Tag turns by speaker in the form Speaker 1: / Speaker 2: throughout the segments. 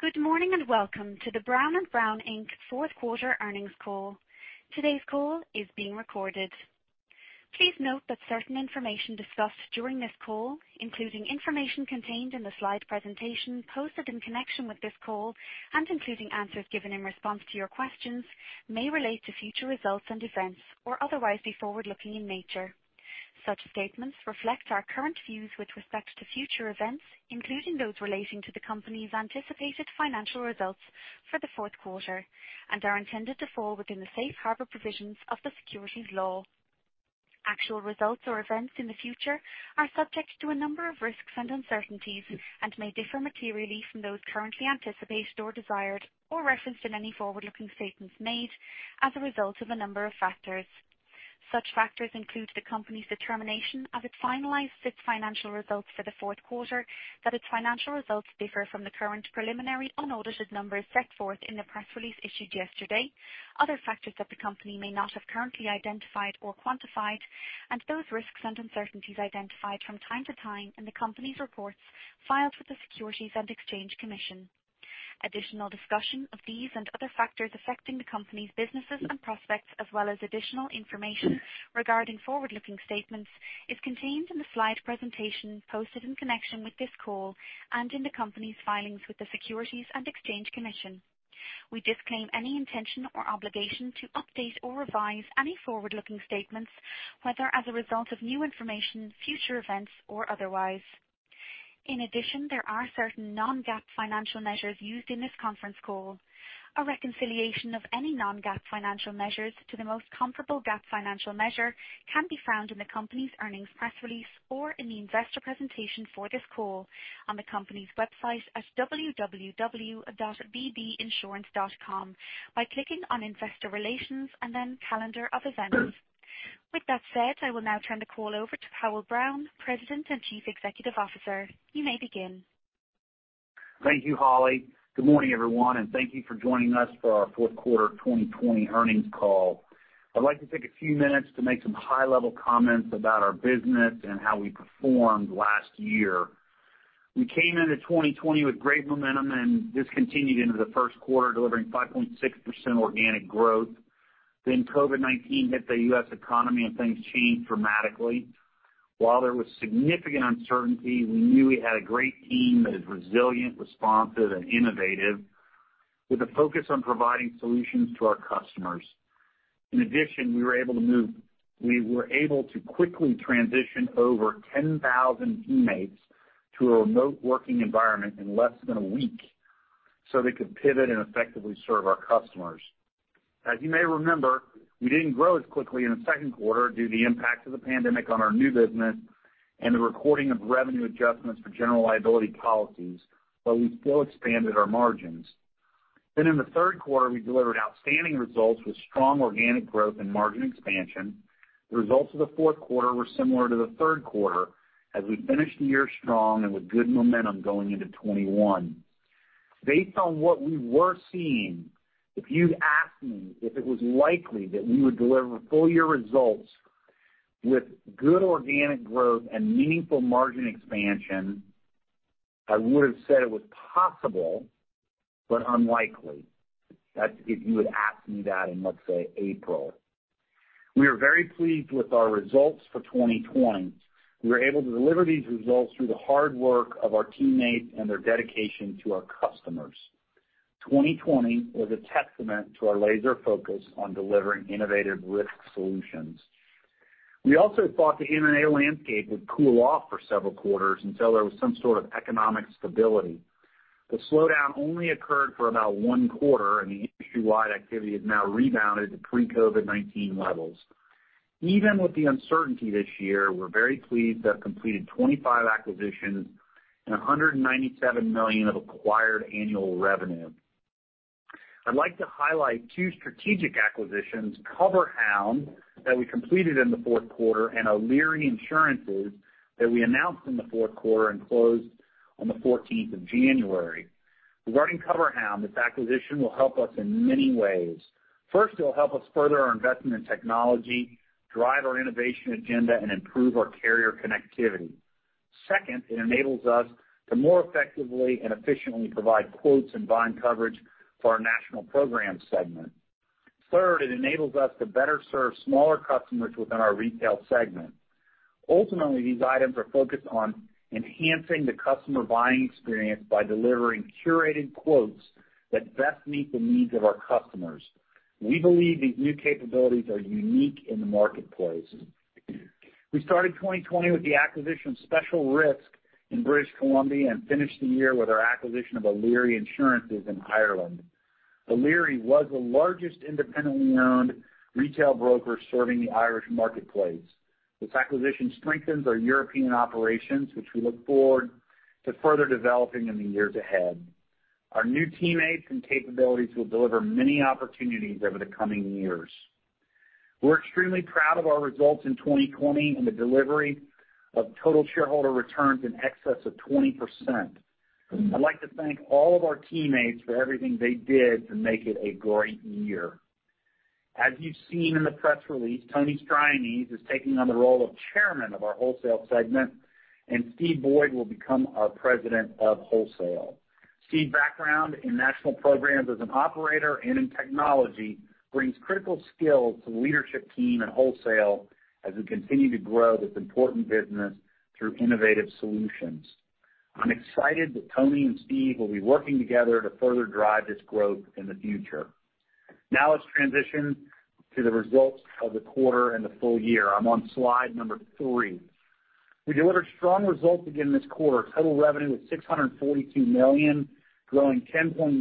Speaker 1: Good morning, and welcome to the Brown & Brown Inc. fourth quarter earnings call. Today's call is being recorded. Please note that certain information discussed during this call, including information contained in the slide presentation posted in connection with this call, and including answers given in response to your questions, may relate to future results and events or otherwise be forward-looking in nature. Such statements reflect our current views with respect to future events, including those relating to the company's anticipated financial results for the fourth quarter, and are intended to fall within the safe harbor provisions of the securities law. Actual results or events in the future are subject to a number of risks and uncertainties and may differ materially from those currently anticipated or desired or referenced in any forward-looking statements made as a result of a number of factors. Such factors include the company's determination, as it finalized its financial results for the fourth quarter, that its financial results differ from the current preliminary unaudited numbers set forth in the press release issued yesterday. Other factors that the company may not have currently identified or quantified, and those risks and uncertainties identified from time to time in the company's reports filed with the Securities and Exchange Commission. Additional discussion of these and other factors affecting the company's businesses and prospects, as well as additional information regarding forward-looking statements, is contained in the slide presentation posted in connection with this call and in the company's filings with the Securities and Exchange Commission. We disclaim any intention or obligation to update or revise any forward-looking statements, whether as a result of new information, future events, or otherwise. In addition, there are certain non-GAAP financial measures used in this conference call. A reconciliation of any non-GAAP financial measures to the most comparable GAAP financial measure can be found in the company's earnings press release or in the investor presentation for this call on the company's website at www.bbinsurance.com by clicking on Investor Relations and then Calendar of Events. With that said, I will now turn the call over to Powell Brown, President and Chief Executive Officer. You may begin.
Speaker 2: Thank you, Holly. Good morning, everyone, and thank you for joining us for our fourth quarter 2020 earnings call. I'd like to take a few minutes to make some high-level comments about our business and how we performed last year. We came into 2020 with great momentum, and this continued into the first quarter, delivering 5.6% organic growth. COVID-19 hit the U.S. economy, and things changed dramatically. While there was significant uncertainty, we knew we had a great team that is resilient, responsive, and innovative with a focus on providing solutions to our customers. In addition, we were able to quickly transition over 10,000 teammates to a remote working environment in less than a week so they could pivot and effectively serve our customers. As you may remember, we didn't grow as quickly in the second quarter due to the impact of the pandemic on our new business and the recording of revenue adjustments for general liability policies, but we still expanded our margins. In the third quarter, we delivered outstanding results with strong organic growth and margin expansion. The results of the fourth quarter were similar to the third quarter, as we finished the year strong and with good momentum going into 2021. Based on what we were seeing, if you'd asked me if it was likely that we would deliver full-year results with good organic growth and meaningful margin expansion, I would've said it was possible, but unlikely. That's if you had asked me that in, let's say, April. We are very pleased with our results for 2020. We were able to deliver these results through the hard work of our teammates and their dedication to our customers. 2020 was a testament to our laser focus on delivering innovative risk solutions. We also thought the M&A landscape would cool off for several quarters until there was some sort of economic stability. The slowdown only occurred for about one quarter, and the industry-wide activity has now rebounded to pre-COVID-19 levels. Even with the uncertainty this year, we're very pleased to have completed 25 acquisitions and $197 million of acquired annual revenue. I'd like to highlight two strategic acquisitions, CoverHound, that we completed in the fourth quarter, and O'Leary Insurances that we announced in the fourth quarter and closed on the 14th of January. Regarding CoverHound, this acquisition will help us in many ways. First, it will help us further our investment in technology, drive our innovation agenda, and improve our carrier connectivity. Second, it enables us to more effectively and efficiently provide quotes and bind coverage for our National Program segment. Third, it enables us to better serve smaller customers within our Retail segment. Ultimately, these items are focused on enhancing the customer buying experience by delivering curated quotes that best meet the needs of our customers. We believe these new capabilities are unique in the marketplace. We started 2020 with the acquisition of Special Risk in British Columbia and finished the year with our acquisition of O'Leary Insurances in Ireland. O'Leary was the largest independently owned Retail broker serving the Irish marketplace. This acquisition strengthens our European operations, which we look forward to further developing in the years ahead. Our new teammates and capabilities will deliver many opportunities over the coming years. We're extremely proud of our results in 2020 and the delivery of total shareholder returns in excess of 20%. I'd like to thank all of our teammates for everything they did to make it a great year. As you've seen in the press release, Tony Strianese is taking on the role of Chairman of our Wholesale Segment, and Steve Boyd will become our President of Wholesale. Steve's background in National Programs as an operator and in technology brings critical skills to the leadership team and Wholesale as we continue to grow this important business through innovative solutions. I'm excited that Tony and Steve will be working together to further drive this growth in the future. Let's transition to the results of the quarter and the full year. I'm on slide number three. We delivered strong results again this quarter. Total revenue was $642 million, growing 10.9%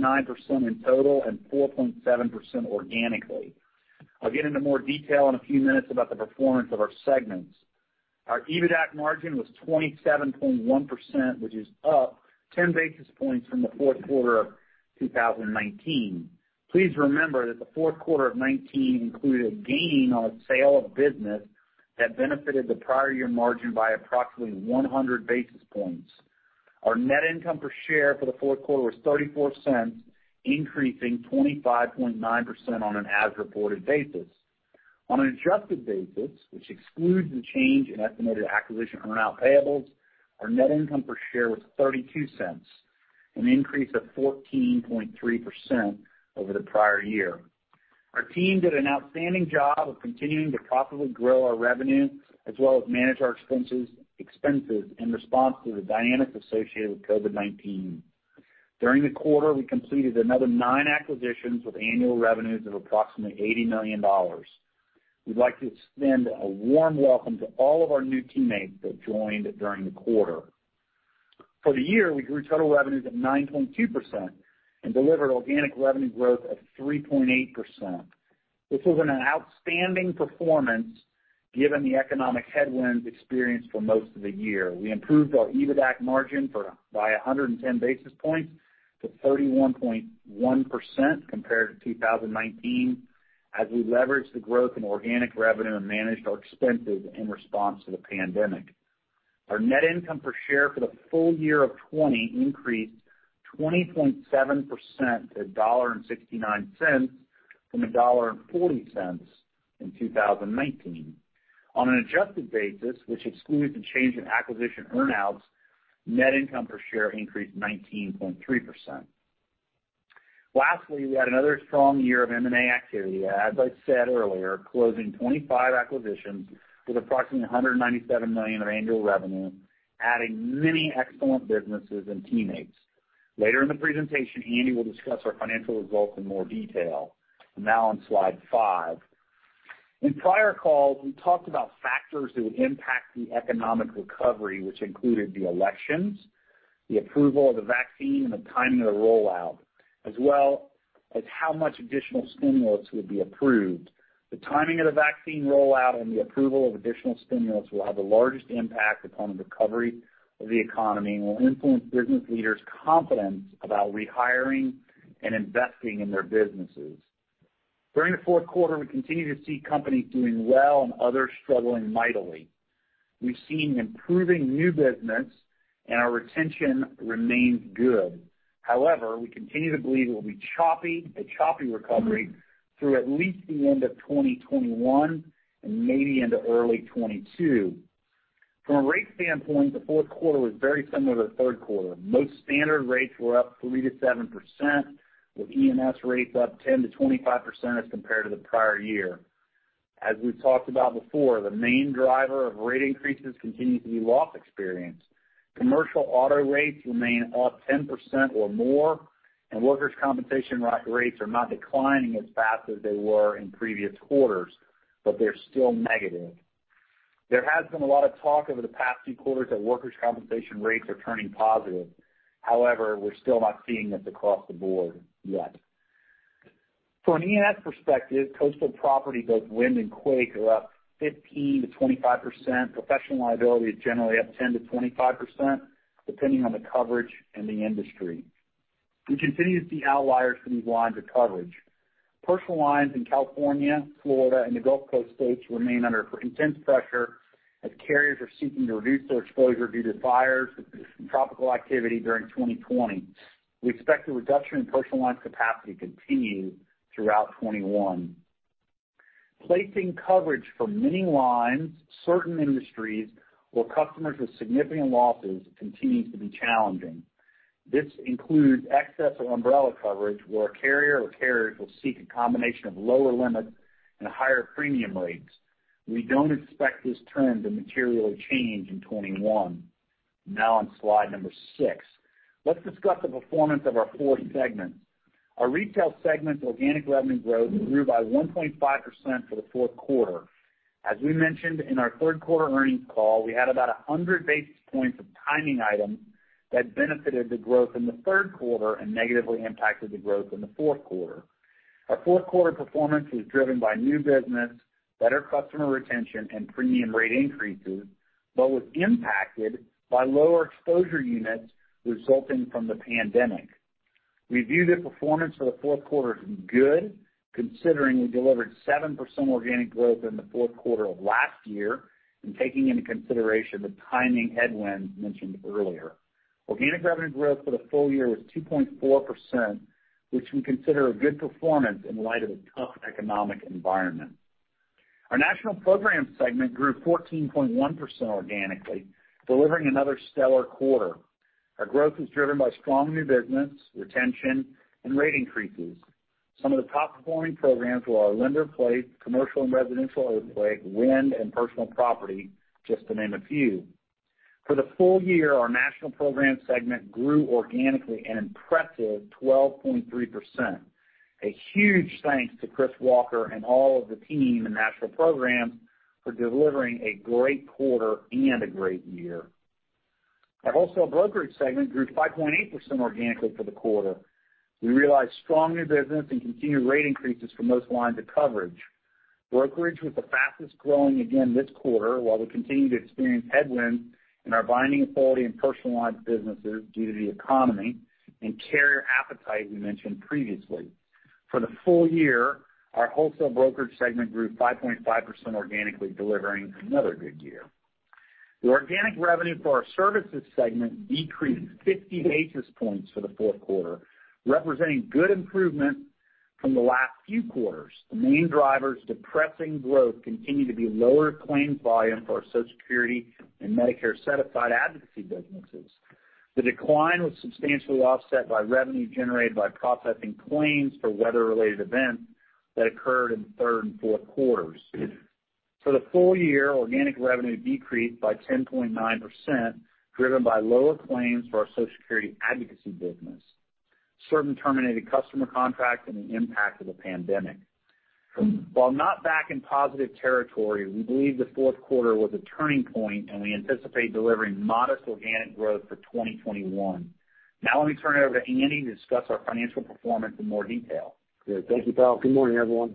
Speaker 2: in total and 4.7% organically. I'll get into more detail in a few minutes about the performance of our segments. Our EBITDAC margin was 27.1%, which is up 10 basis points from the fourth quarter of 2019. Please remember that the fourth quarter of 2019 included a gain on a sale of business that benefited the prior year's margin by approximately 100 basis points. Our net income per share for the fourth quarter was $0.34, increasing 25.9% on an as-reported basis. On an adjusted basis, which excludes the change in estimated acquisition earnout payables, our net income per share was $0.32, an increase of 14.3% over the prior year. Our team did an outstanding job of continuing to profitably grow our revenue as well as manage our expenses in response to the dynamics associated with COVID-19. During the quarter, we completed another nine acquisitions with annual revenues of approximately $80 million. We'd like to extend a warm welcome to all of our new teammates that joined during the quarter. For the year, we grew total revenues at 9.2% and delivered organic revenue growth of 3.8%. This was an outstanding performance given the economic headwinds experienced for most of the year. We improved our EBITDAC margin by 110 basis points to 31.1% compared to 2019 as we leveraged the growth in organic revenue and managed our expenses in response to the pandemic. Our net income per share for the full year of 2020 increased 20.7% to $1.69 from $1.40 in 2019. On an adjusted basis, which excludes the change in acquisition earnouts, net income per share increased 19.3%. Lastly, we had another strong year of M&A activity, as I said earlier, closing 25 acquisitions with approximately $197 million of annual revenue, adding many excellent businesses and teammates. Later in the presentation, Andy will discuss our financial results in more detail. I'm now on slide five. In prior calls, we talked about factors that would impact the economic recovery, which included the elections, the approval of the vaccine, and the timing of the rollout, as well as how much additional stimulus would be approved. The timing of the vaccine rollout and the approval of additional stimulus will have the largest impact upon the recovery of the economy and will influence business leaders' confidence about rehiring and investing in their businesses. During the fourth quarter, we continue to see companies doing well and others struggling mightily. We've seen improving new business, and our retention remains good. We continue to believe it will be a choppy recovery through at least the end of 2021 and maybe into early 2022. From a rate standpoint, the fourth quarter was very similar to the third quarter. Most standard rates were up 3%-7%, with E&S rates up 10%-25% as compared to the prior year. As we've talked about before, the main driver of rate increases continues to be loss experience. Commercial auto rates remain up 10% or more, and workers' compensation rates are not declining as fast as they were in previous quarters, but they're still negative. There has been a lot of talk over the past few quarters that workers' compensation rates are turning positive. We're still not seeing this across the board yet. From an E&S perspective, coastal property, both wind and quake, are up 15%-25%. Professional liability is generally up 10%-25%, depending on the coverage and the industry. We continue to see outliers for these lines of coverage. Personal lines in California, Florida, and the Gulf Coast states remain under intense pressure as carriers are seeking to reduce their exposure due to fires and tropical activity during 2020. We expect the reduction in personal line capacity to continue throughout 2021. Placing coverage for many lines, certain industries, or customers with significant losses continues to be challenging. This includes excess of umbrella coverage, where a carrier or carriers will seek a combination of lower limits and higher premium rates. We don't expect this trend to materially change in 2021. On slide number six. Let's discuss the performance of our four segments. Our Retail segment's organic revenue growth grew by 1.5% for the fourth quarter. As we mentioned in our third-quarter earnings call, we had about 100 basis points of timing items that benefited the growth in the third quarter and negatively impacted the growth in the fourth quarter. Our fourth-quarter performance was driven by new business, better customer retention, and premium rate increases, but was impacted by lower exposure units resulting from the pandemic. We view the performance of the fourth quarter as good, considering we delivered 7% organic growth in the fourth quarter of last year and taking into consideration the timing headwinds mentioned earlier. Organic revenue growth for the full year was 2.4%, which we consider a good performance in light of a tough economic environment. Our National Programs segment grew 14.1% organically, delivering another stellar quarter. Our growth was driven by strong new business, retention, and rate increases. Some of the top-performing programs were our lender-placed, commercial, and residential earthquake, wind, and personal property, just to name a few. For the full year, our National Programs segment grew organically an impressive 12.3%. A huge thanks to Chris Walker and all of the team in National Programs for delivering a great quarter and a great year. Our Wholesale Brokerage segment grew 5.8% organically for the quarter. We realized strong new business and continued rate increases for most lines of coverage. Brokerage was the fastest growing again this quarter, while we continue to experience headwinds in our binding authority and personal lines businesses due to the economy and carrier appetite we mentioned previously. For the full year, our Wholesale Brokerage segment grew 5.5% organically, delivering another good year. The organic revenue for our Services segment decreased 50 basis points for the fourth quarter, representing good improvement from the last few quarters. The main drivers depressing growth continue to be lower claims volume for our Social Security and Medicare certified advocacy businesses. The decline was substantially offset by revenue generated by processing claims for weather-related events that occurred in the third and fourth quarters. For the full year, organic revenue decreased by 10.9%, driven by lower claims for our Social Security advocacy business, certain terminated customer contracts, and the impact of the pandemic. While not back in positive territory, we believe the fourth quarter was a turning point, and we anticipate delivering modest organic growth for 2021. Now, let me turn it over to Andy to discuss our financial performance in more detail.
Speaker 3: Great. Thank you, Powell. Good morning, everyone.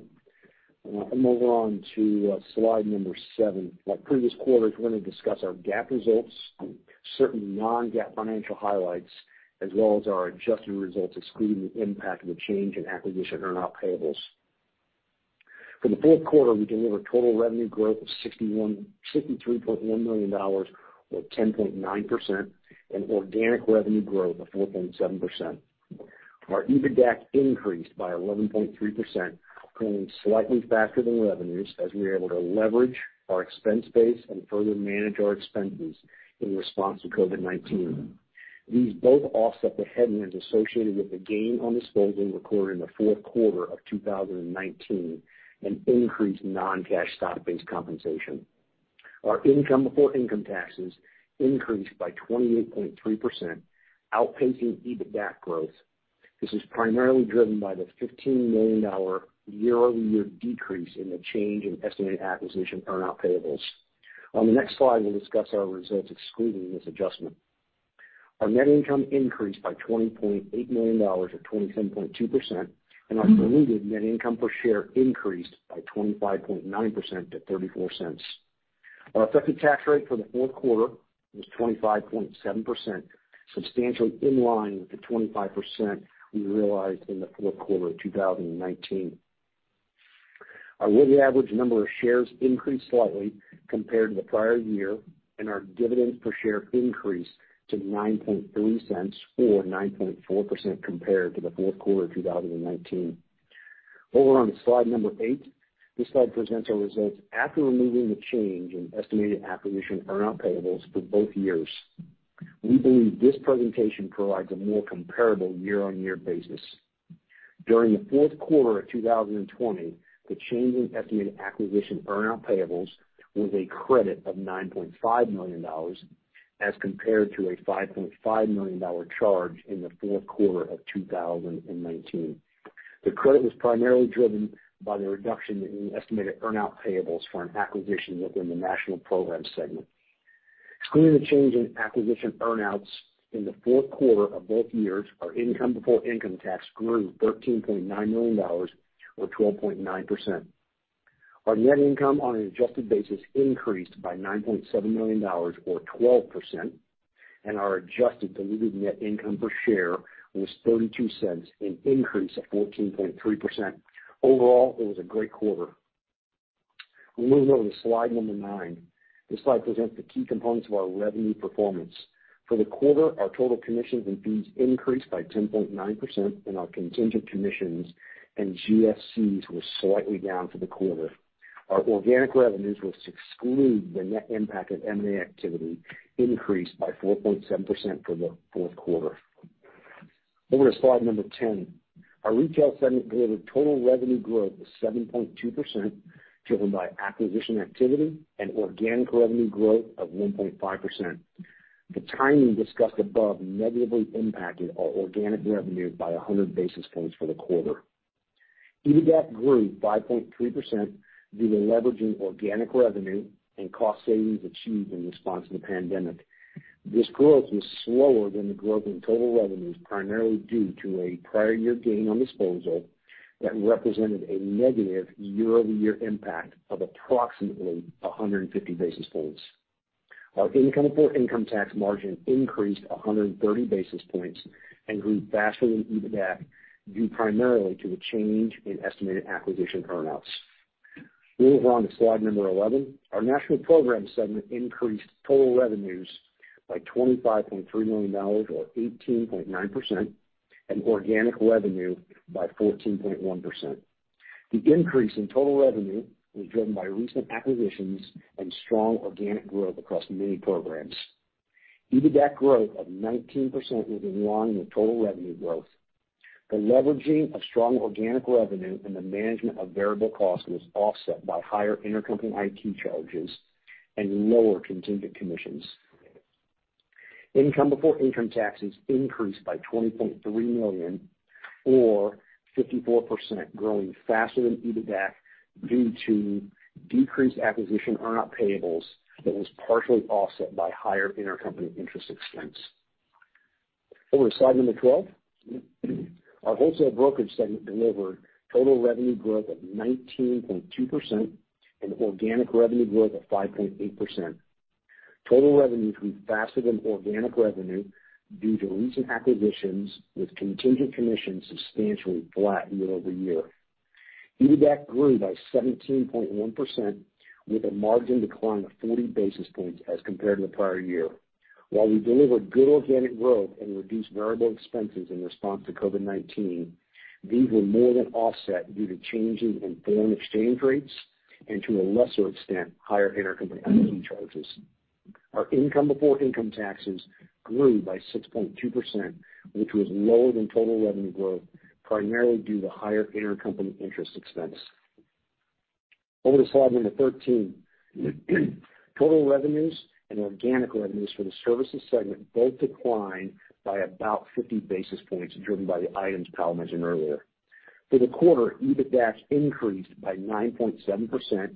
Speaker 3: I'm moving on to slide number seven. Like previous quarters, we're going to discuss our GAAP results, certain non-GAAP financial highlights, as well as our adjusted results, excluding the impact of the change in acquisition earnout payables. For the fourth quarter, we delivered total revenue growth of $63.1 million, or 10.9%, and organic revenue growth of 4.7%. Our EBITDA increased by 11.3%, growing slightly faster than revenues as we were able to leverage our expense base and further manage our expenses in response to COVID-19. These both offset the headwinds associated with the gain on disposal recorded in the fourth quarter of 2019 and increased non-cash stock-based compensation. Our income before income taxes increased by 28.3%, outpacing EBITDA growth. This was primarily driven by the $15 million year-over-year decrease in the change in estimated acquisition earnout payables. On the next slide, we'll discuss our results excluding this adjustment. Our net income increased by $20.8 million or 27.2%, and our diluted net income per share increased by 25.9% to $0.34. Our effective tax rate for the fourth quarter was 25.7%, substantially in line with the 25% we realized in the fourth quarter of 2019. Our weighted average number of shares increased slightly compared to the prior year, and our dividends per share increased to $0.093, or 9.4%, compared to the fourth quarter of 2019. Over on to slide number eight. This slide presents our results after removing the change in estimated acquisition earnout payables for both years. We believe this presentation provides a more comparable year-on-year basis. During the fourth quarter of 2020, the change in estimated acquisition earnout payables was a credit of $9.5 million, as compared to a $5.5 million charge in the fourth quarter of 2019. The credit was primarily driven by the reduction in estimated earnout payables for an acquisition within the National Programs segment. Excluding the change in acquisition earnouts in the fourth quarter of both years, our income before income tax grew to $13.9 million, or 12.9%. Our net income on an adjusted basis increased by $9.7 million, or 12%, and our adjusted diluted net income per share was $0.32, an increase of 14.3%. Overall, it was a great quarter. We move over to slide number nine. This slide presents the key components of our revenue performance. For the quarter, our total commissions and fees increased by 10.9%, and our contingent commissions and GSCs were slightly down for the quarter. Our organic revenues, which exclude the net impact of M&A activity, increased by 4.7% for the fourth quarter. Over to slide number 10. Our Retail segment delivered total revenue growth of 7.2%, driven by acquisition activity and organic revenue growth of 1.5%. The timing discussed above negatively impacted our organic revenue by 100 basis points for the quarter. EBITDA grew 5.3% due to leveraging organic revenue and cost savings achieved in response to the pandemic. This growth was slower than the growth in total revenues, primarily due to a prior-year gain on disposal that represented a negative year-over-year impact of approximately 150 basis points. Our income before income tax margin increased 130 basis points and grew faster than EBITDA, due primarily to a change in estimated acquisition earnouts. Moving on to slide number 11. Our National Programs segment increased total revenues by $25.3 million or 18.9%, and organic revenue by 14.1%. The increase in total revenue was driven by recent acquisitions and strong organic growth across many programs. EBITDAC growth of 19% was in line with total revenue growth. The leveraging of strong organic revenue and the management of variable costs was offset by higher intercompany IT charges and lower contingent commissions. Income before income taxes increased by $20.3 million or 54%, growing faster than EBITDAC due to decreased acquisition earn-out payables, that was partially offset by higher intercompany interest expense. Over to slide number 12. Our Wholesale Brokerage segment delivered total revenue growth of 19.2% and organic revenue growth of 5.8%. Total revenues grew faster than organic revenue due to recent acquisitions, with contingent commissions substantially flat year-over-year. EBITDAC grew by 17.1% with a margin decline of 40 basis points as compared to the prior year. While we delivered good organic growth and reduced variable expenses in response to COVID-19, these were more than offset due to changes in foreign exchange rates and, to a lesser extent, higher intercompany IT charges. Our income before income taxes grew by 6.2%, which was lower than total revenue growth, primarily due to higher intercompany interest expense, over to slide number 13. Total revenues and organic revenues for the Services Segment both declined by about 50 basis points, driven by the items Powell mentioned earlier. For the quarter, EBITDAC increased by 9.7%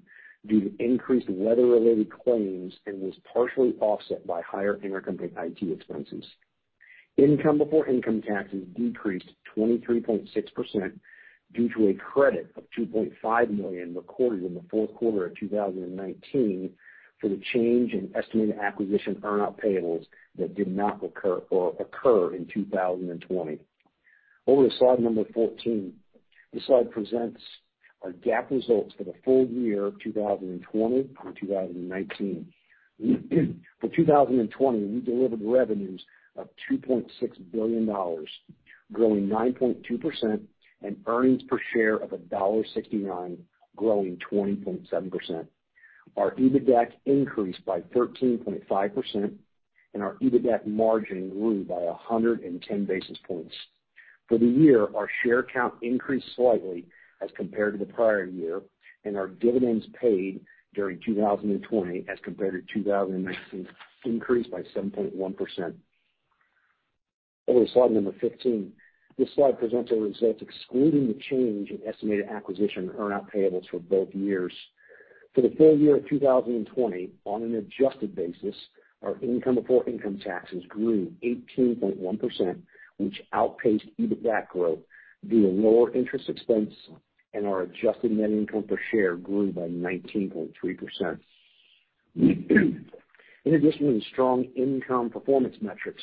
Speaker 3: due to increased weather-related claims and was partially offset by higher intercompany IT expenses. Income before income taxes decreased 23.6% due to a credit of $2.5 million recorded in the fourth quarter of 2019 for the change in estimated acquisition earnout payables that did not occur or occur in 2020. Over to slide number 14. This slide presents our GAAP results for the full year of 2020 and 2019. For 2020, we delivered revenues of $2.6 billion, growing 9.2%, and earnings per share of $1.69, growing 20.7%. Our EBITDAC increased by 13.5%, and our EBITDAC margin grew by 110 basis points. For the year, our share count increased slightly as compared to the prior year, and our dividends paid during 2020, as compared to 2019, increased by 7.1%. Over to slide number 15. This slide presents our results excluding the change in estimated acquisition earnout payables for both years. For the full year of 2020, on an adjusted basis, our income before income taxes grew 18.1%, which outpaced EBITDAC growth due to lower interest expense, and our adjusted net income per share grew by 19.3%. In addition to the strong income performance metrics,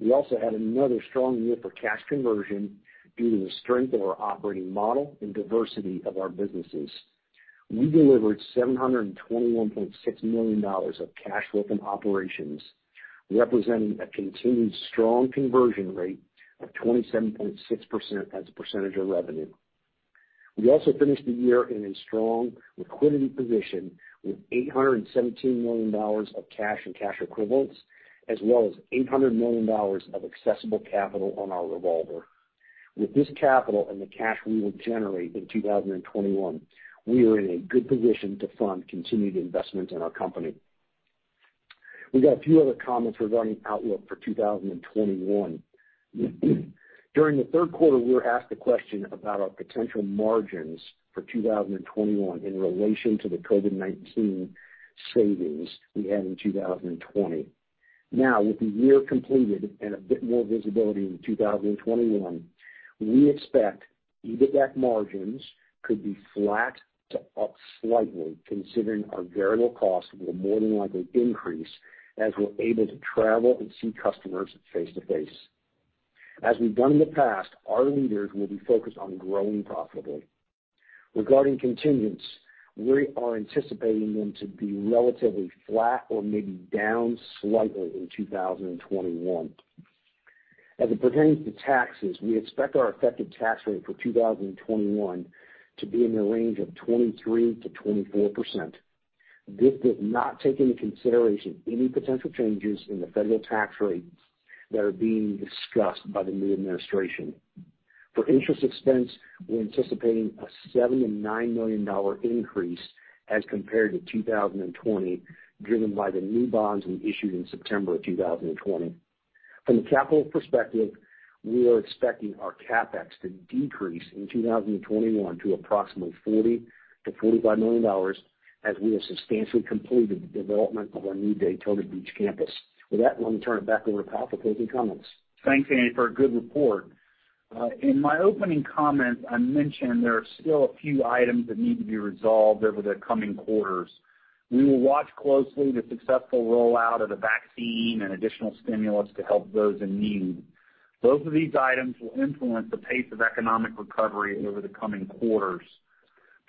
Speaker 3: we also had another strong year for cash conversion due to the strength of our operating model and the diversity of our businesses. We delivered $721.6 million of cash flow from operations, representing a continued strong conversion rate of 27.6% as a percentage of revenue. We also finished the year in a strong liquidity position with $817 million of cash and cash equivalents, as well as $800 million of accessible capital on our revolver. With this capital and the cash we will generate in 2021, we are in a good position to fund continued investment in our company. We've got a few other comments regarding the outlook for 2021. During the third quarter, we were asked a question about our potential margins for 2021 in relation to the COVID-19 savings we had in 2020. Now, with the year completed and a bit more visibility into 2021, we expect EBITDAC margins could be flat to up slightly, considering our variable costs will more than likely increase as we're able to travel and see customers face to face. As we've done in the past, our leaders will be focused on growing profitably. Regarding contingents, we are anticipating them to be relatively flat or maybe down slightly in 2021. As it pertains to taxes, we expect our effective tax rate for 2021 to be in the range of 23%-24%. This does not take into consideration any potential changes in the federal tax rates that are being discussed by the new administration. For interest expense, we're anticipating a $79 million increase as compared to 2020, driven by the new bonds we issued in September of 2020. From a capital perspective, we are expecting our CapEx to decrease in 2021 to approximately $40 million-$45 million as we have substantially completed the development of our new Daytona Beach campus. With that, let me turn it back over to Powell for closing comments.
Speaker 2: Thanks, Andy, for a good report. In my opening comments, I mentioned there are still a few items that need to be resolved over the coming quarters. We will watch closely the successful rollout of the vaccine and additional stimulus to help those in need. Both of these items will influence the pace of economic recovery over the coming quarters.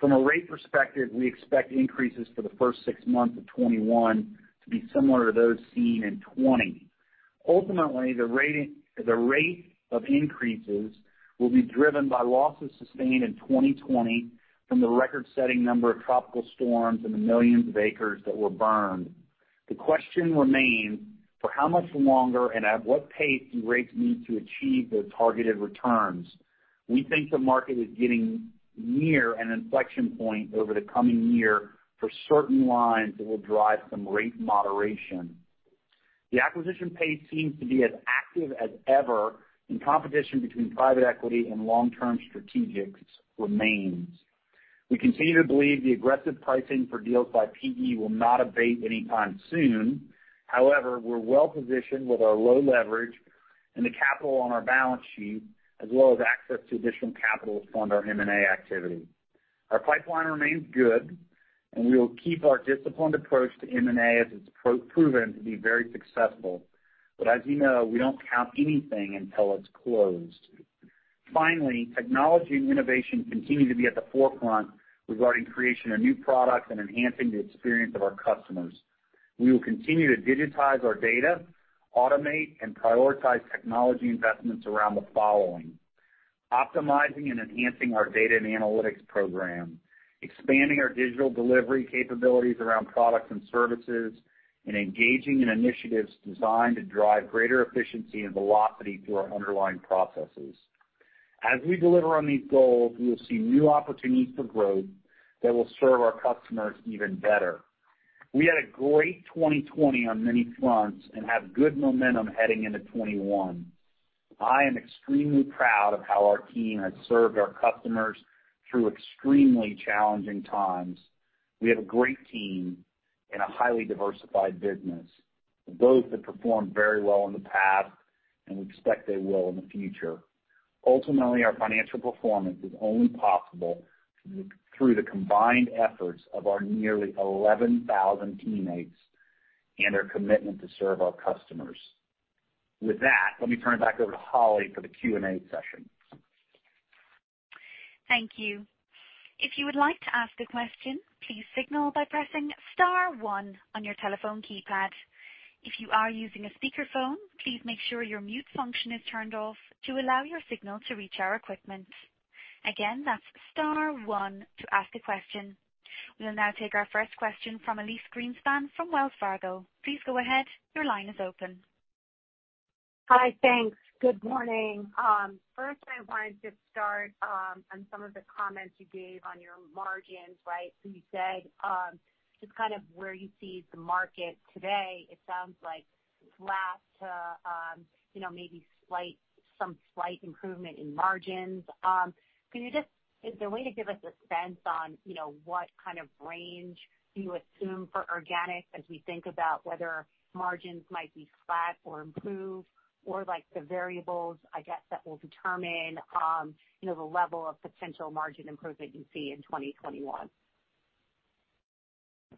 Speaker 2: From a rate perspective, we expect increases for the first six months of 2021 to be similar to those seen in 2020. Ultimately, the rate of increase will be driven by losses sustained in 2020 from the record-setting number of tropical storms and the millions of acres that were burned. The question remains, for how much longer and at what pace do rates need to achieve those targeted returns? We think the market is getting near an inflection point over the coming year for certain lines that will drive some rate moderation. The acquisition pace seems to be as active as ever, and competition between private equity and long-term strategics remains. We continue to believe the aggressive pricing for deals by PE will not abate anytime soon. However, we're well-positioned with our low leverage and the capital on our balance sheet, as well as access to additional capital to fund our M&A activity. Our pipeline remains good, and we will keep our disciplined approach to M&A, as it's proven to be very successful. As you know, we don't count anything until it's closed. Finally, technology and innovation continue to be at the forefront regarding the creation of new products and enhancing the experience of our customers. We will continue to digitize our data, automate, and prioritize technology investments around the following. Optimizing and enhancing our data and analytics program, expanding our digital delivery capabilities around products and services, and engaging in initiatives designed to drive greater efficiency and velocity through our underlying processes. As we deliver on these goals, we will see new opportunities for growth that will serve our customers even better. We had a great 2020 on many fronts and have good momentum heading into 2021. I am extremely proud of how our team has served our customers through extremely challenging times. We have a great team and a highly diversified business, both that performed very well in the past, and we expect they will in the future. Ultimately, our financial performance is only possible through the combined efforts of our nearly 11,000 teammates and our commitment to serve our customers. With that, let me turn it back over to Holly for the Q&A session.
Speaker 1: Thank you. If you would like to ask a question, please signal by pressing star one on your telephone keypad. If you are using a speakerphone, please make sure your mute function is turned off to allow your signal to reach our equipment. Again, that's star one to ask the question. We'll now take our first question from Elyse Greenspan from Wells Fargo. Please go ahead. Your line is open.
Speaker 4: Hi, thanks. Good morning. First, I wanted to start on some of the comments you gave on your margins, right? You said, just kind of where you see the market today, it sounds like it leads to maybe some slight improvement in margins. Is there a way to give us a sense on what kind of range do you assume for organic as we think about whether margins might be flat or improved, or the variables, I guess, that will determine the level of potential margin improvement you see in 2021?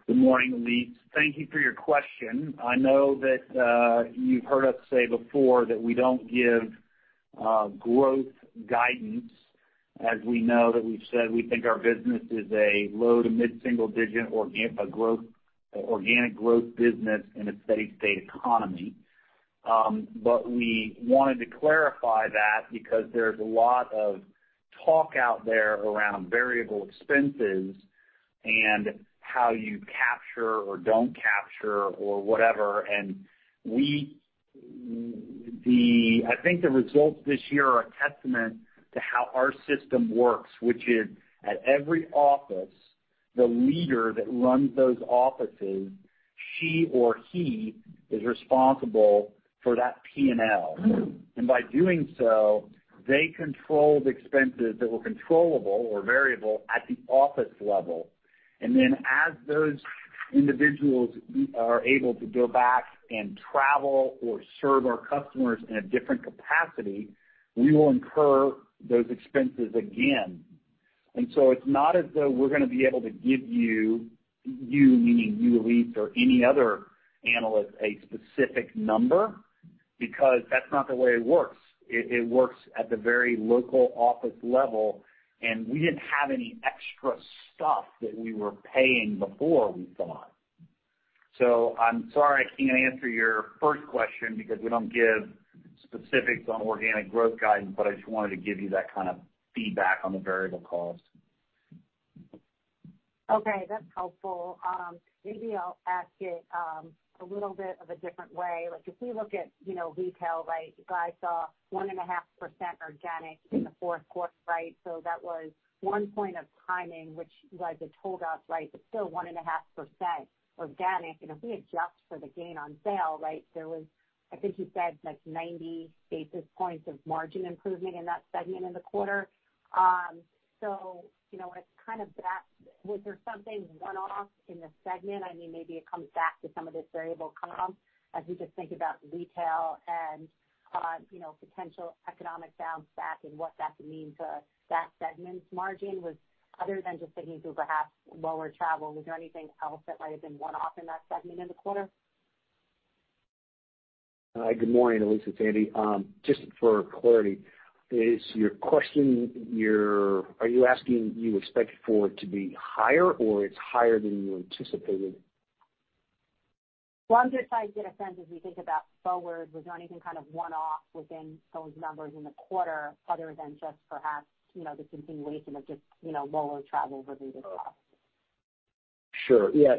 Speaker 2: Good morning, Elyse. Thank you for your question. I know that you've heard us say before that we don't give growth guidance. As we know, that we've said we think our business is a low to mid-single digit organic growth business in a steady state economy. We wanted to clarify that because there's a lot of talk out there around variable expenses and how you capture or don't capture or whatever. I think the results this year are a testament to how our system works, which is, at every office, the leader that runs those offices, she or he is responsible for that P&L. By doing so, they control expenses that were controllable or variable at the office level. As those individuals are able to go back and travel or serve our customers in a different capacity, we will incur those expenses again. It's not as though we're going to be able to give you meaning you, Elyse, or any other analyst a specific number, because that's not the way it works. It works at the very local office level, and we didn't have any extra stuff that we were paying before, we thought. I'm sorry I can't answer your first question because we don't give specifics on organic growth guidance, but I just wanted to give you that kind of feedback on the variable cost.
Speaker 4: Okay, that's helpful. Maybe I'll ask it a little bit of a different way. We look at Retail, I saw 1.5% organic in the fourth quarter. That was one point of timing, which, as I told us, it's still 1.5% organic. We adjust for the gain on sale; there was, I think you said, like 90 basis points of margin improvement in that segment in the quarter. With kind of that, was there something one-off in the segment? Maybe it comes back to some of these variable comps as we just think about Retail and potential economic downturns and what that could mean to that segment's margin. Other than just thinking through perhaps lower travel, was there anything else that might have been a one-off in that segment in the quarter?
Speaker 3: Hi. Good morning, Elyse. It's Andy. Just for clarity, are you asking if you expect forward to be higher, or it's higher than you anticipated?
Speaker 4: Well, I'm just trying to get a sense as we think about forward. Was there anything kind of one-off within those numbers in the quarter, other than just perhaps the continuation of just lower travel-related costs?
Speaker 3: Sure. Yeah.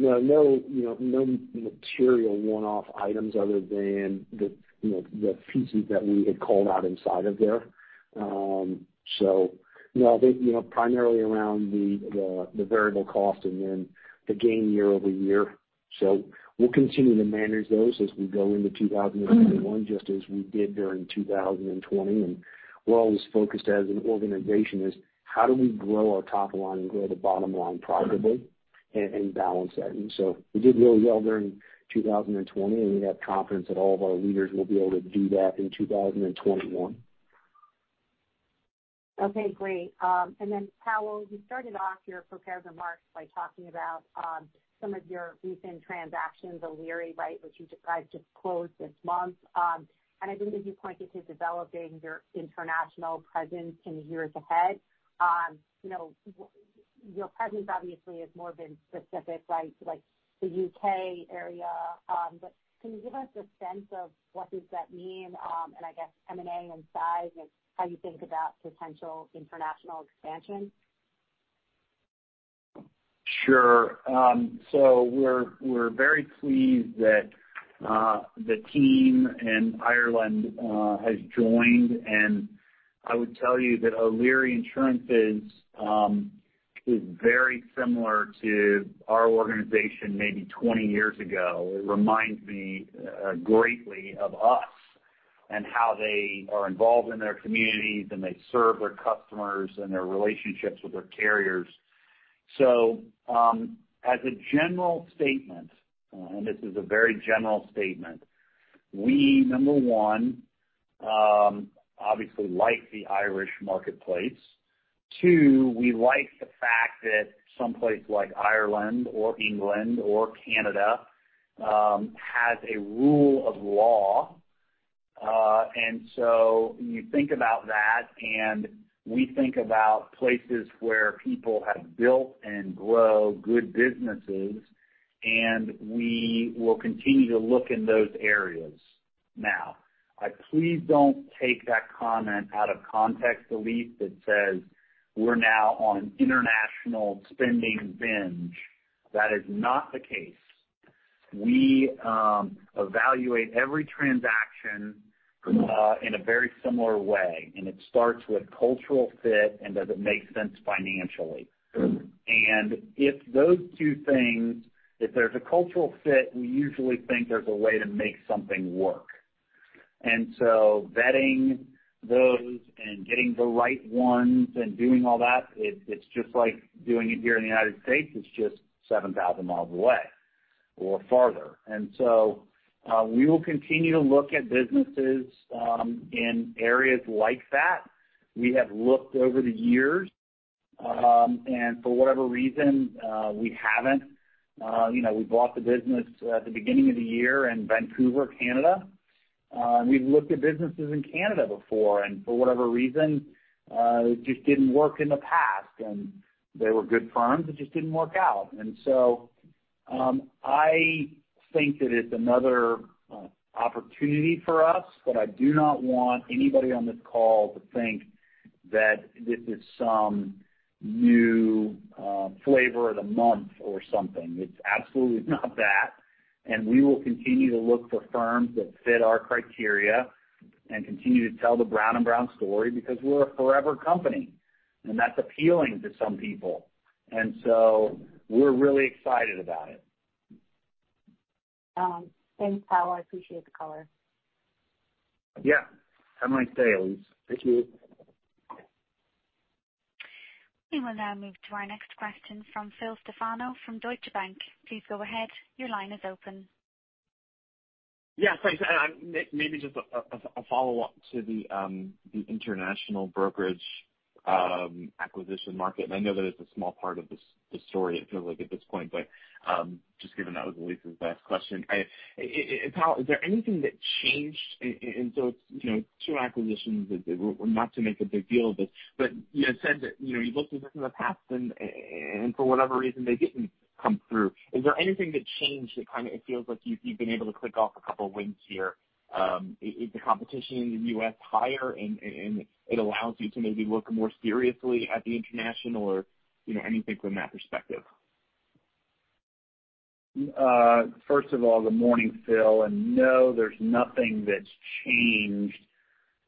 Speaker 3: No material one-off items other than the pieces that we had called out inside of there. Primarily around the variable cost and then the gain year-over-year. We'll continue to manage those as we go into 2021, just as we did during 2020. We're always focused as an organization is how do we grow our top line and grow the bottom line profitably and balance that. We did really well during 2020, and we have confidence that all of our leaders will be able to do that in 2021.
Speaker 4: Okay, great. Powell, you started off your prepared remarks by talking about some of your recent transactions, O'Leary, which you just closed this month. I believe you pointed to developing your international presence in the years ahead. Your presence has obviously been specific, like the U.K. area. Can you give us a sense of what does that mean? I guess M&A and size, and how you think about potential international expansion.
Speaker 2: Sure. We're very pleased that the team in Ireland has joined, and I would tell you that O'Leary Insurances is very similar to our organization, maybe 20 years ago. It reminds me greatly of us and how they are involved in their communities, and they serve their customers and their relationships with their carriers. As a general statement, and this is a very general statement, we, number one, obviously like the Irish marketplace. Two, we like the fact that someplace like Ireland, or England, or Canada has a rule of law. You think about that, and we think about places where people have built and grown good businesses, and we will continue to look in those areas. Now, please don't take that comment out of context, Elyse, that says we're now on an international spending binge. That is not the case. We evaluate every transaction in a very similar way, and it starts with cultural fit, and does it make sense financially? If those two things, if there's a cultural fit, we usually think there's a way to make something work. Vetting those and getting the right ones and doing all that, it's just like doing it here in the U.S., it's just 7,000 mi away or farther. We will continue to look at businesses in areas like that. We have looked over the years, and for whatever reason, we haven't. We bought the business at the beginning of the year in Vancouver, Canada. We've looked at businesses in Canada before, and for whatever reason, it just didn't work in the past. They were good firms. It just didn't work out. I think that it's another opportunity for us, but I do not want anybody on this call to think that this is some new flavor of the month or something. It's absolutely not that. We will continue to look for firms that fit our criteria and continue to tell the Brown & Brown story because we're a forever company, and that's appealing to some people. We're really excited about it.
Speaker 4: Thanks, Powell. I appreciate the color.
Speaker 2: Yeah. Have a nice day, Elyse. Thank you.
Speaker 1: We will now move to our next question from Phil Stefano from Deutsche Bank. Please go ahead. Your line is open.
Speaker 5: Yeah, thanks. Maybe just a follow-up to the international brokerage acquisition market, I know that it's a small part of the story, it feels like at this point, but just given that was Elyse's last question. Powell, is there anything that changed? It's two acquisitions, not to make a big deal of it, but you had said that you looked at this in the past, and for whatever reason, they didn't come through. Is there anything that changed? It feels like you've been able to click off a couple of wins here. Is the competition in the U.S. higher, and it allow you to maybe look more seriously at the international or anything from that perspective?
Speaker 2: First of all, good morning, Phil. No, there's nothing that's changed.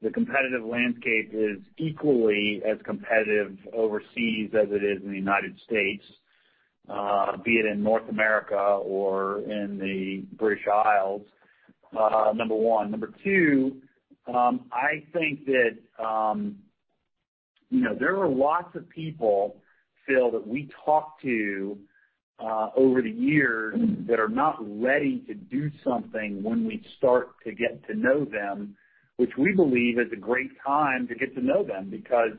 Speaker 2: The competitive landscape is equally as competitive overseas as it is in the U.S., be it in North America or in the British Isles, number one. Number two, I think that there are lots of people, Phil, that we talk to over the years that are not ready to do something when we start to get to know them, which we believe is a great time to get to know them because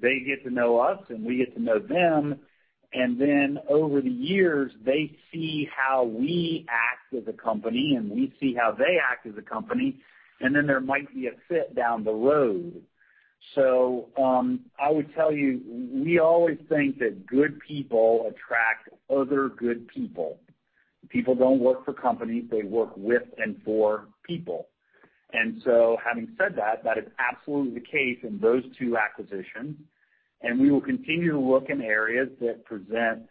Speaker 2: they get to know us, and we get to know them. Then over the years, they see how we act as a company, and we see how they act as a company. Then there might be a fit down the road. I would tell you, we always think that good people attract other good people. People don't work for companies; they work with and for people. Having said that is absolutely the case in those two acquisitions, and we will continue to look in areas that present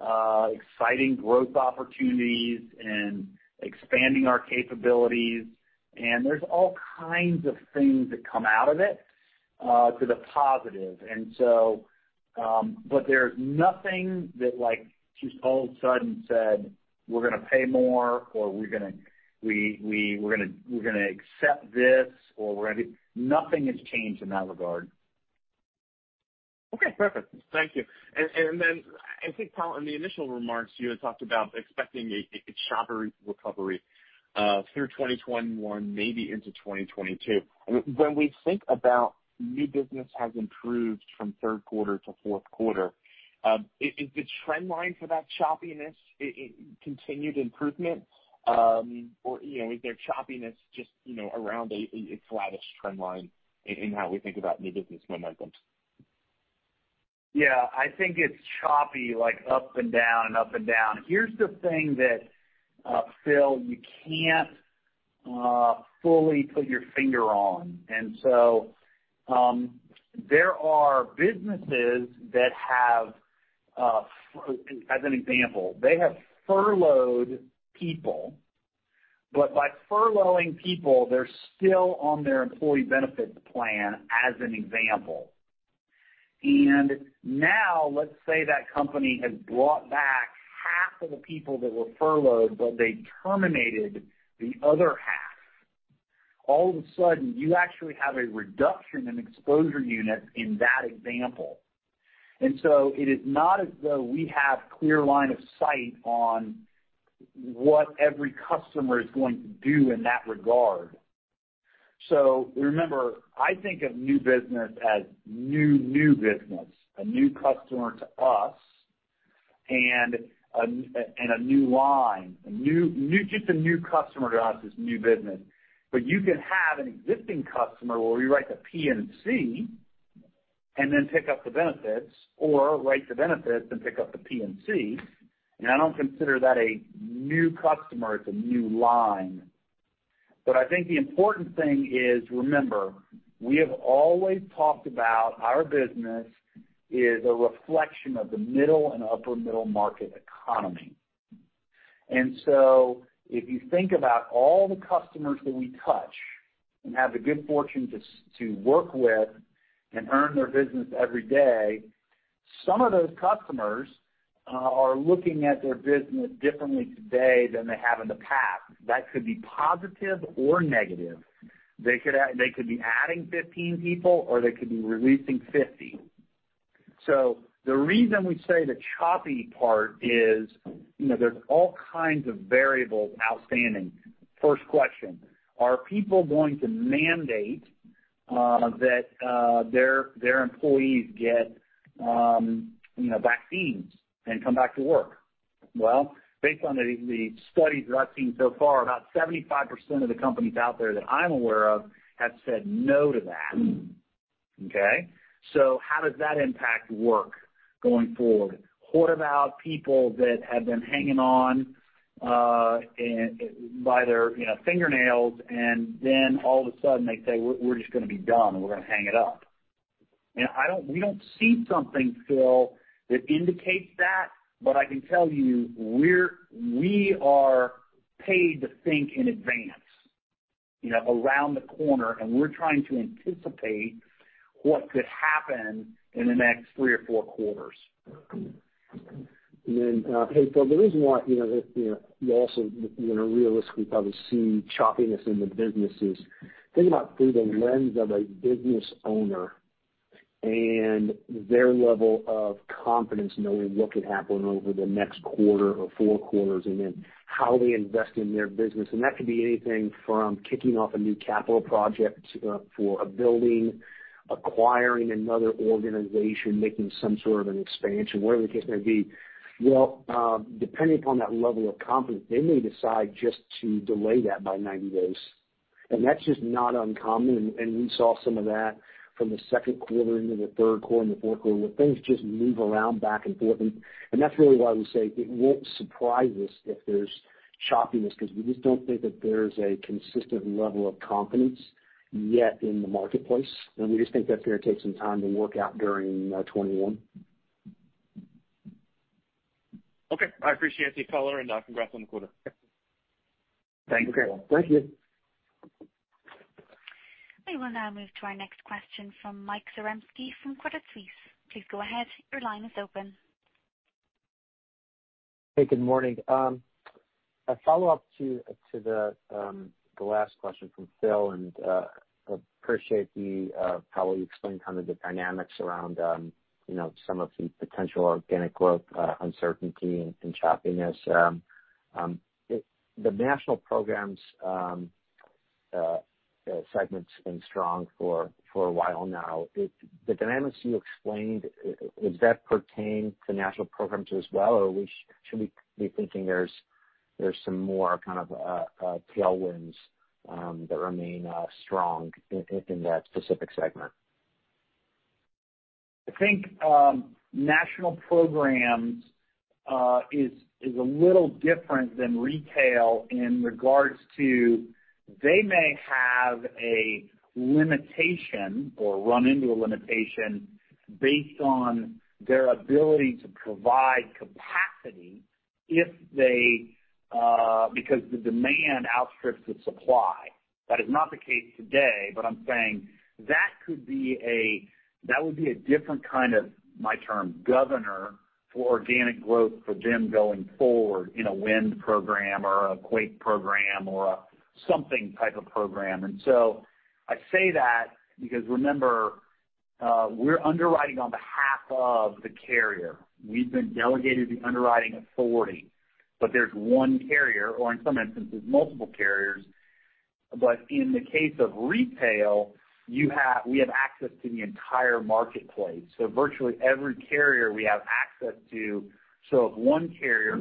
Speaker 2: exciting growth opportunities and expanding our capabilities. There's all kinds of things that come out of it to the positive. There's nothing that just all of a sudden said, "We're going to pay more," or "We're going to accept this," or Nothing has changed in that regard.
Speaker 5: Okay, perfect. Thank you. Then I think, Phil, in the initial remarks, you had talked about expecting a choppier recovery through 2021, maybe into 2022. When we think about new business has improved from the third quarter to fourth quarter, is the trend line for that choppiness continued improvement? Or is there choppiness just around a flattish trend line in how we think about new business momentum?
Speaker 2: Yeah. I think it's choppy, like up and down and up and down. Here's the thing that, Phil, you can't fully put your finger on. There are businesses that have, as an example, they have furloughed people. But by furloughing people, they're still on their employee benefits plan, as an example. Now, let's say that the company has brought back half of the people that were furloughed, but they terminated the other half. All of a sudden, you actually have a reduction in exposure units in that example. It is not as though we have a clear line of sight on what every customer is going to do in that regard. Remember, I think of new business as new business, a new customer to us, and a new line. Just a new customer to us is a new business. You can have an existing customer will rewrite the P&C and then pick up the benefits, or write the benefits and pick up the P&C. I don't consider that a new customer; it's a new line. I think the important thing is, remember, we have always talked about our business is a reflection of the middle and upper middle market economy. If you think about all the customers that we touch and have the good fortune to work with and earn their business every day, some of those customers are looking at their business differently today than they have in the past. That could be positive or negative. They could be adding 15 people, or they could be releasing 50. The reason we say the choppy part is, there are all kinds of variables outstanding. First question: Are people going to mandate that their employees get vaccines and come back to work? Well, based on the studies that I've seen so far, about 75% of the companies out there that I'm aware of have said no to that. Okay? How does that impact work going forward? What about people that have been hanging on by their fingernails, and then all of a sudden they say, "We're just going to be done, and we're going to hang it up"? We don't see something, Phil, that indicates that. I can tell you, we are paid to think in advance, around the corner, and we're trying to anticipate what could happen in the next three or four quarters.
Speaker 3: Hey, Phil, the reason why we also realistically probably see choppiness in the business is, think about it through the lens of a business owner and their level of confidence knowing what could happen over the next quarter or four quarters, and then how they invest in their business. That could be anything from kicking off a new capital project for a building, acquiring another organization, making some sort of expansion, whatever the case may be. Well, depending upon that level of confidence, they may decide just to delay that by 90 days, and that's just not uncommon, and we saw some of that from the second quarter into the third quarter and the fourth quarter, where things just move around back and forth. That's really why we say it won't surprise us if there's choppiness, because we just don't think that there's a consistent level of confidence yet in the marketplace, and we just think that's going to take some time to work out during 2021.
Speaker 5: Okay. I appreciate it, Phil, and congrats on the quarter.
Speaker 2: Thanks, Phil.
Speaker 3: Okay. Thank you.
Speaker 1: We will now move to our next question from Mike Zaremski from Credit Suisse. Please go ahead. Your line is open.
Speaker 6: Hey, good morning. A follow-up to the last question from Phil, I appreciate how you explained the kind of dynamics around some of the potential organic growth, uncertainty, and choppiness. The National Programs segment's been strong for a while now. The dynamics you explained, does that pertain to National Programs as well, or should we be thinking there's some more kind of tailwinds that remain strong in that specific segment?
Speaker 2: I think National Programs is a little different than Retail in regards to, they may have a limitation or run into a limitation based on their ability to provide capacity because the demand outstrips the supply. That is not the case today, but I'm saying that would be a different kind of, my term, governor for organic growth for them going forward in a wind program or an earthquake program or a something type of program. I say that because remember, we're underwriting on behalf of the carrier. We've been delegated the underwriting authority, but there's one carrier, or in some instances, multiple carriers. In the case of Retail, we have access to the entire marketplace. Virtually every carrier we have access to. If one carrier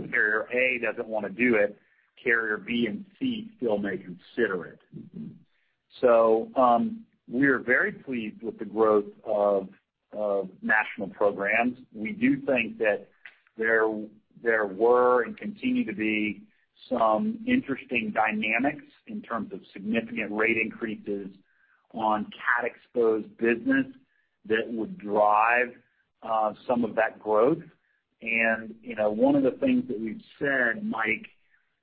Speaker 2: A doesn't want to do it, carriers B and C still may consider it. We're very pleased with the growth of National Programs. We do think that there were and continue to be some interesting dynamics in terms of significant rate increases on cat-exposed business that would drive some of that growth. One of the things that we've said, Mike,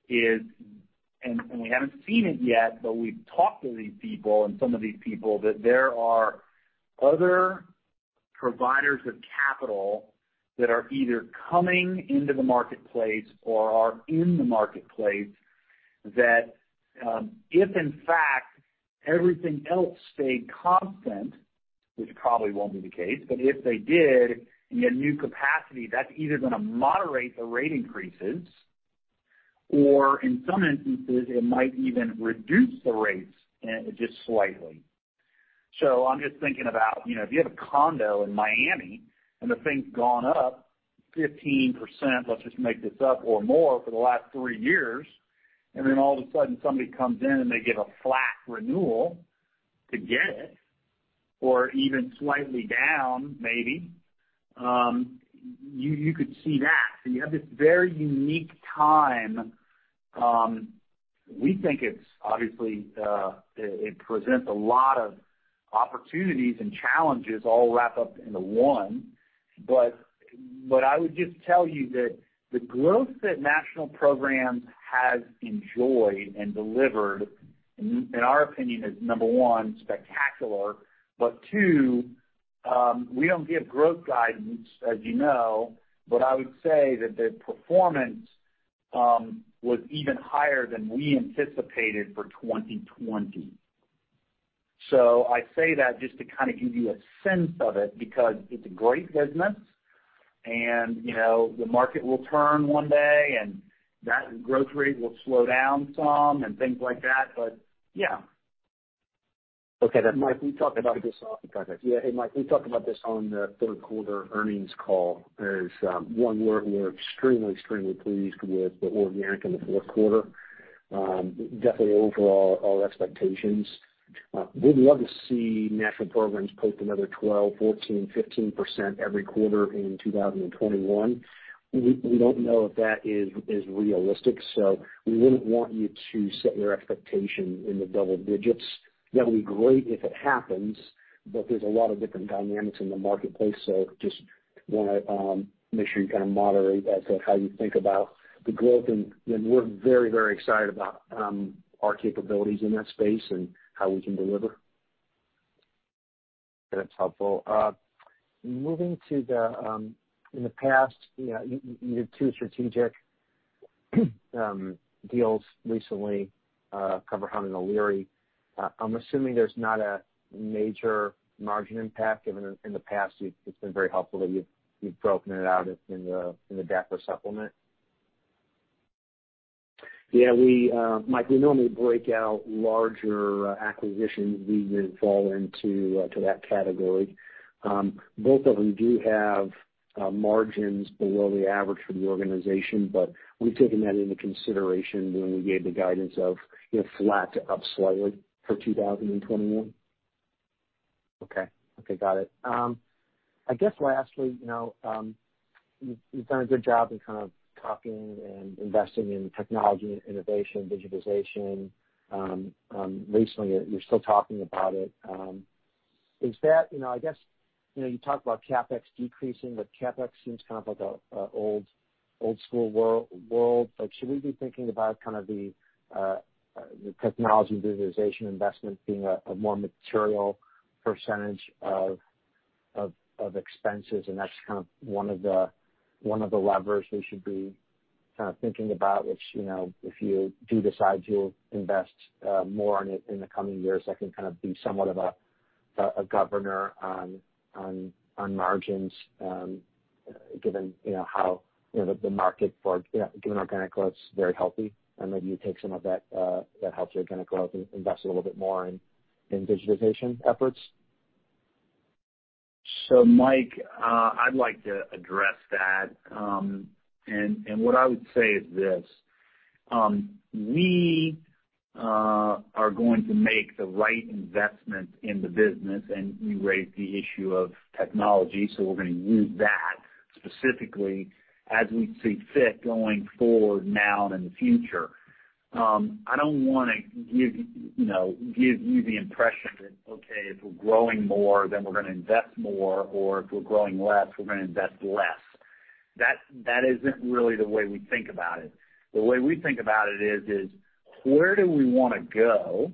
Speaker 2: is, we haven't seen it yet, we've talked to these people and some of these people, that there are other providers of capital that are either coming into the marketplace or are in the marketplace, that if in fact everything else stayed constant, which probably won't be the case, but if they did, and you had new capacity, that's either going to moderate the rate increases or in some instances, it might even reduce the rates just slightly. I'm just thinking about, if you have a condo in Miami and the thing's gone up 15%, let's just make this up, or more for the last three years, and then all of a sudden somebody comes in, and they get a flat renewal to get it, or even slightly down, maybe, you could see that. You have this very unique time. We think it presents a lot of opportunities and challenges all wrapped up into one. I would just tell you that the growth that National Programs has enjoyed and delivered, in our opinion, is number one, spectacular, but two, we don't give growth guidance as you know, but I would say that the performance was even higher than we anticipated for 2020. I say that just to kind of give you a sense of it because it's a great business, and the market will turn one day, and that growth rate will slow down some, and things like that. Yeah.
Speaker 6: Okay.
Speaker 3: Mike, we talked about this.
Speaker 6: Okay.
Speaker 3: Yeah. Hey, Mike, we talked about this on the third-quarter earnings call. One, we're extremely pleased with the organic in the fourth quarter. Definitely, overall, our expectations. We'd love to see National Programs post another 12%, 14%, 15% every quarter in 2021. We don't know if that is realistic. We wouldn't want you to set your expectation in the double digits. That'll be great if it happens, but there's a lot of different dynamics in the marketplace. Just want to make sure you kind of moderate as to how you think about the growth, and we're very excited about our capabilities in that space and how we can deliver.
Speaker 6: That's helpful. In the past, you did two strategic deals recently, CoverHound and O'Leary. I'm assuming there's not a major margin impact, given in the past it's been very helpful that you've broken it out in the GAAP supplement.
Speaker 3: Yeah, Mike, we normally break out larger acquisitions. These would fall into that category. Both of them do have margins below the average for the organization, but we've taken that into consideration when we gave the guidance of flat to up slightly for 2021.
Speaker 6: Okay. Got it. I guess lastly, you've done a good job in kind of talking and investing in technology, innovation, digitization. Recently, you're still talking about it. You talked about CapEx decreasing. CapEx seems kind of like an old-school world. Should we be thinking about kind of the technology and digitization investment being a more material percentage of expenses and that's kind of one of the levers we should be kind of thinking about, which if you do decide you'll invest more on it in the coming years, that can kind of be somewhat of a governor on margins, given organic growth is very healthy, and maybe you take some of that helps your organic growth and invest a little bit more in digitization efforts?
Speaker 2: Mike, I'd like to address that. What I would say is this. We are going to make the right investment in the business, and you raised the issue of technology, so we're going to use that specifically as we see fit, going forward now and in the future. I don't want to give you the impression that, okay, if we're growing more, then we're going to invest more, or if we're growing less, we're going to invest less. That isn't really the way we think about it. The way we think about it is, where do we want to go?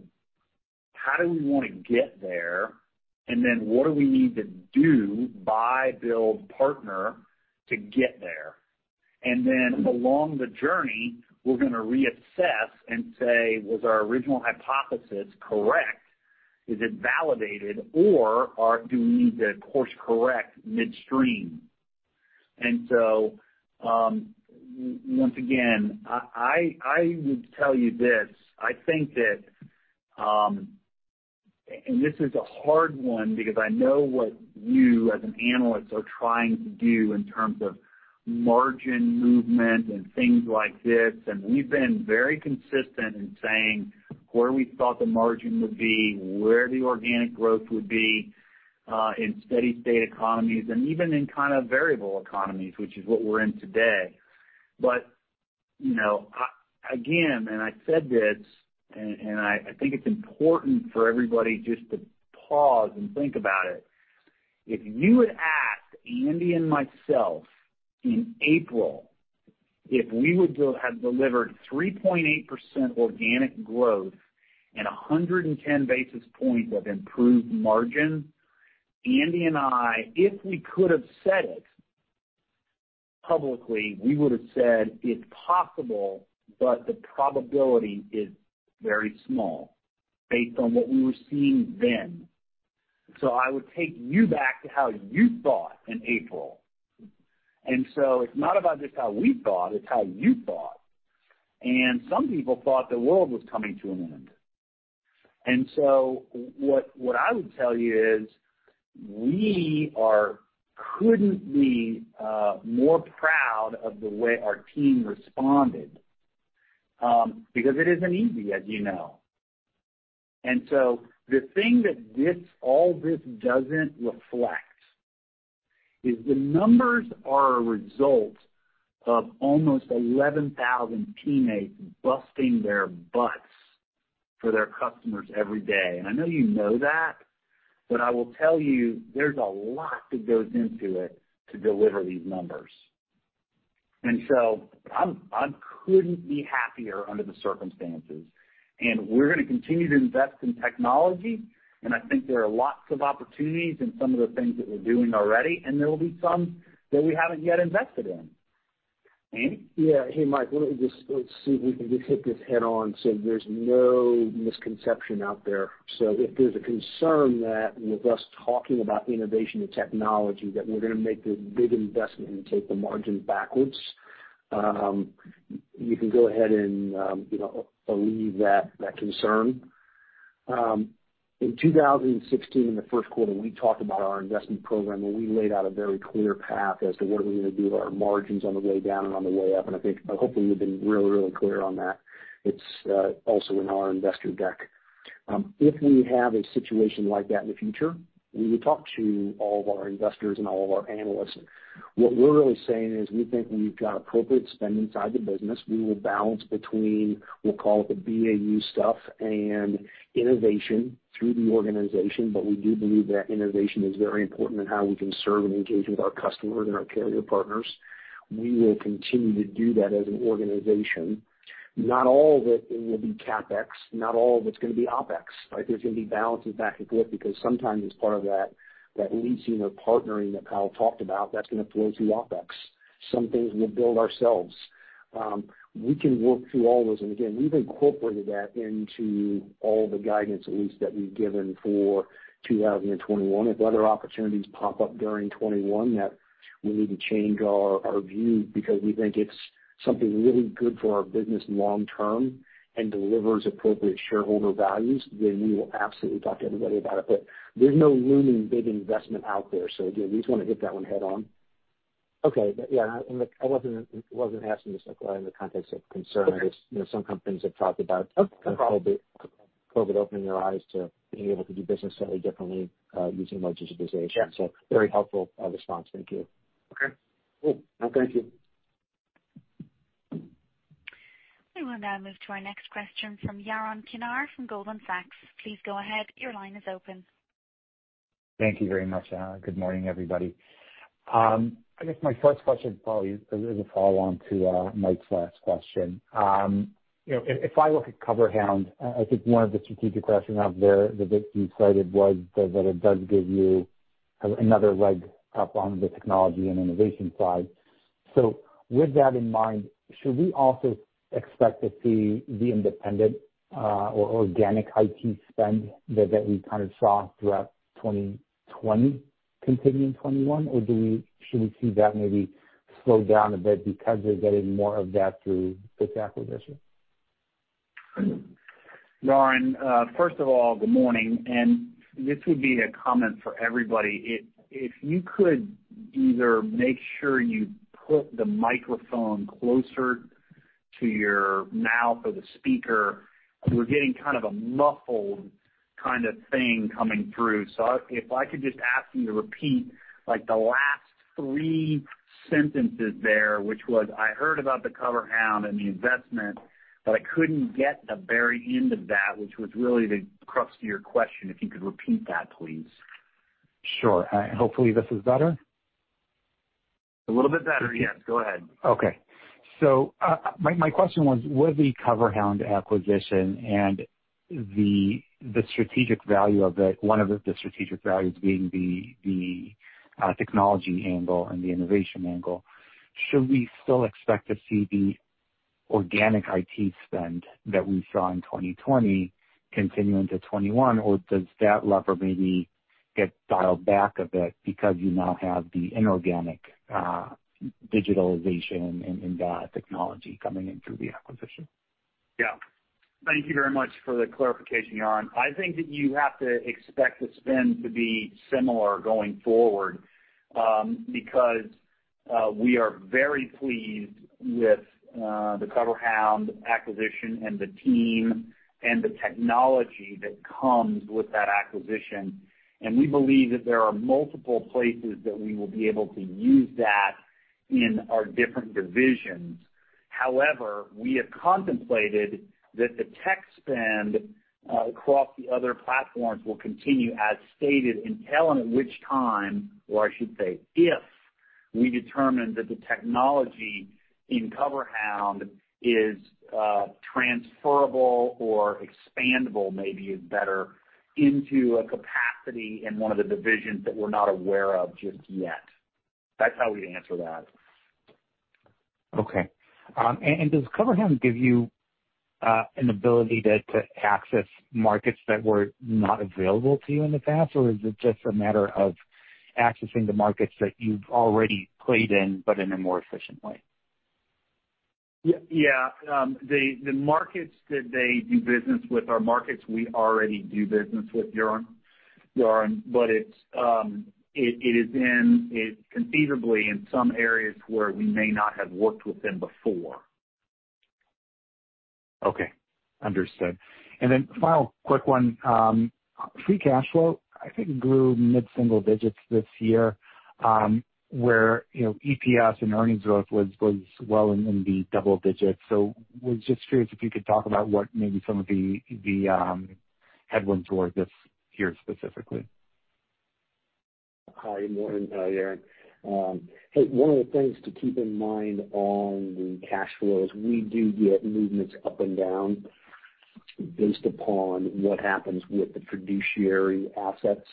Speaker 2: How do we want to get there? Then what do we need to do, buy, build, partner, to get there? Then along the journey, we're going to reassess and say, was our original hypothesis correct? Is it validated, or do we need to course correct midstream? Once again, I would tell you this. I think that, and this is a hard one because I know what you as an analyst are trying to do in terms of margin movement and things like this, and we've been very consistent in saying where we thought the margin would be, where the organic growth would be, in steady state economies and even in kind of variable economies, which is what we're in today. Again, and I said this, and I think it's important for everybody just to pause and think about it. If you had asked Andy and myself in April if we would have delivered 3.8% organic growth and 110 basis points of improved margin, Andy and I, if we could've said it publicly, we would've said it's possible, but the probability is very small based on what we were seeing then. I would take you back to how you thought in April. It's not about just how we thought, it's how you thought. Some people thought the world was coming to an end. What I would tell you is, we couldn't be more proud of the way our team responded, because it isn't easy, as you know. The thing that all this doesn't reflect is the numbers are a result of almost 11,000 teammates busting their butts for their customers every day. I know you know that, but I will tell you, there's a lot that goes into it to deliver these numbers. I couldn't be happier under the circumstances. We're going to continue to invest in technology, and I think there are lots of opportunities in some of the things that we're doing already, and there will be some that we haven't yet invested in. Andy?
Speaker 3: Mike, let me just see if we can just hit this head-on so there's no misconception out there. If there's a concern that with us talking about innovation and technology, that we're going to make this big investment and take the margin backwards, you can go ahead and alleviate that concern. In 2016, in the first quarter, we talked about our investment program. We laid out a very clear path as to what we are going to do with our margins on the way down and on the way up. I think hopefully we've been really, really clear on that. It's also in our investor deck. If we have a situation like that in the future, we would talk to all of our investors and all of our analysts. What we're really saying is we think we've got appropriate spending inside the business. We will balance between, we'll call it, the BAU stuff and innovation through the organization. We do believe that innovation is very important in how we can serve and engage with our customers and our carrier partners. We will continue to do that as an organization. Not all of it will be CapEx. Not all of it's going to be OpEx, right? There's going to be balances back and forth because sometimes, as part of that leasing or partnering that Powell talked about, that's going to flow through OpEx. Some things we'll build ourselves. We can work through all those, and again, we've incorporated that into all the guidance, at least that we've given for 2021. If other opportunities pop up during 2021 that we need to change our view because we think it's something really good for our business long term and delivers appropriate shareholder values, we will absolutely talk to everybody about it. There's no looming big investment out there. Again, we just want to hit that one head-on.
Speaker 6: Okay. Yeah, I wasn't asking this in the context of concern.
Speaker 3: Okay.
Speaker 6: I guess some companies have talked about.
Speaker 3: Okay, no problem.
Speaker 6: COVID opening their eyes to being able to do business very differently, using more digitization.
Speaker 3: Yeah.
Speaker 6: Very helpful response. Thank you.
Speaker 3: Okay.
Speaker 2: Cool. No, thank you.
Speaker 1: We will now move to our next question from Yaron Kinar from Goldman Sachs. Please go ahead. Your line is open.
Speaker 7: Thank you very much. Good morning, everybody. I guess my first question probably is a follow-on to Mike's last question. If I look at CoverHound, I think one of the strategic rationales there that you cited was that it does give you another leg up on the technology and innovation side. With that in mind, should we also expect to see the independent, or organic IT spend that we kind of saw throughout 2020 continuing in 2021, or should we see that maybe slow down a bit because we're getting more of that through this acquisition?
Speaker 2: Yaron, first of all, good morning. This would be a comment for everybody. If you could either make sure you put the microphone closer to your mouth or the speaker. We're getting kind of a muffled kind of thing coming through. If I could just ask you to repeat, like, the last three sentences there, which was, I heard about the CoverHound and the investment, but I couldn't get the very end of that, which was really the crux of your question. If you could repeat that, please.
Speaker 7: Sure. Hopefully, this is better.
Speaker 2: A little bit better, yes. Go ahead.
Speaker 7: Okay. My question was, with the CoverHound acquisition and one of the strategic values being the technology angle and the innovation angle, should we still expect to see the organic IT spend that we saw in 2020 continuing to 2021, or does that lever maybe get dialed back a bit because you now have the inorganic digitalization and that technology coming in through the acquisition?
Speaker 2: Yeah. Thank you very much for the clarification, Yaron. I think that you have to expect the spend to be similar going forward, because we are very pleased with the CoverHound acquisition and the team and the technology that comes with that acquisition, and we believe that there are multiple places that we will be able to use that in our different divisions. However, we have contemplated that the tech spend across the other platforms will continue as stated until and at which time, or I should say, if we determine that the technology in CoverHound is transferable or expandable, maybe it's better, into a capacity in one of the divisions that we're not aware of just yet. That's how we'd answer that.
Speaker 7: Okay. Does CoverHound give you an ability then to access markets that were not available to you in the past, or is it just a matter of accessing the markets that you've already played in, but in a more efficient way?
Speaker 2: Yeah. The markets that they do business with are markets we already do business with, Yaron, but it is conceivably in some areas where we may not have worked with them before.
Speaker 7: Okay. Understood. Then the final quick one. Free cash flow, I think, grew mid-single digits this year, where EPS and earnings growth was well in the double digits. Was just curious if you could talk about what maybe some of the headwinds were this year, specifically.
Speaker 3: Hi. Good morning, Yaron. One of the things to keep in mind on the cash flows, we do get movements up and down based upon what happens with the fiduciary assets.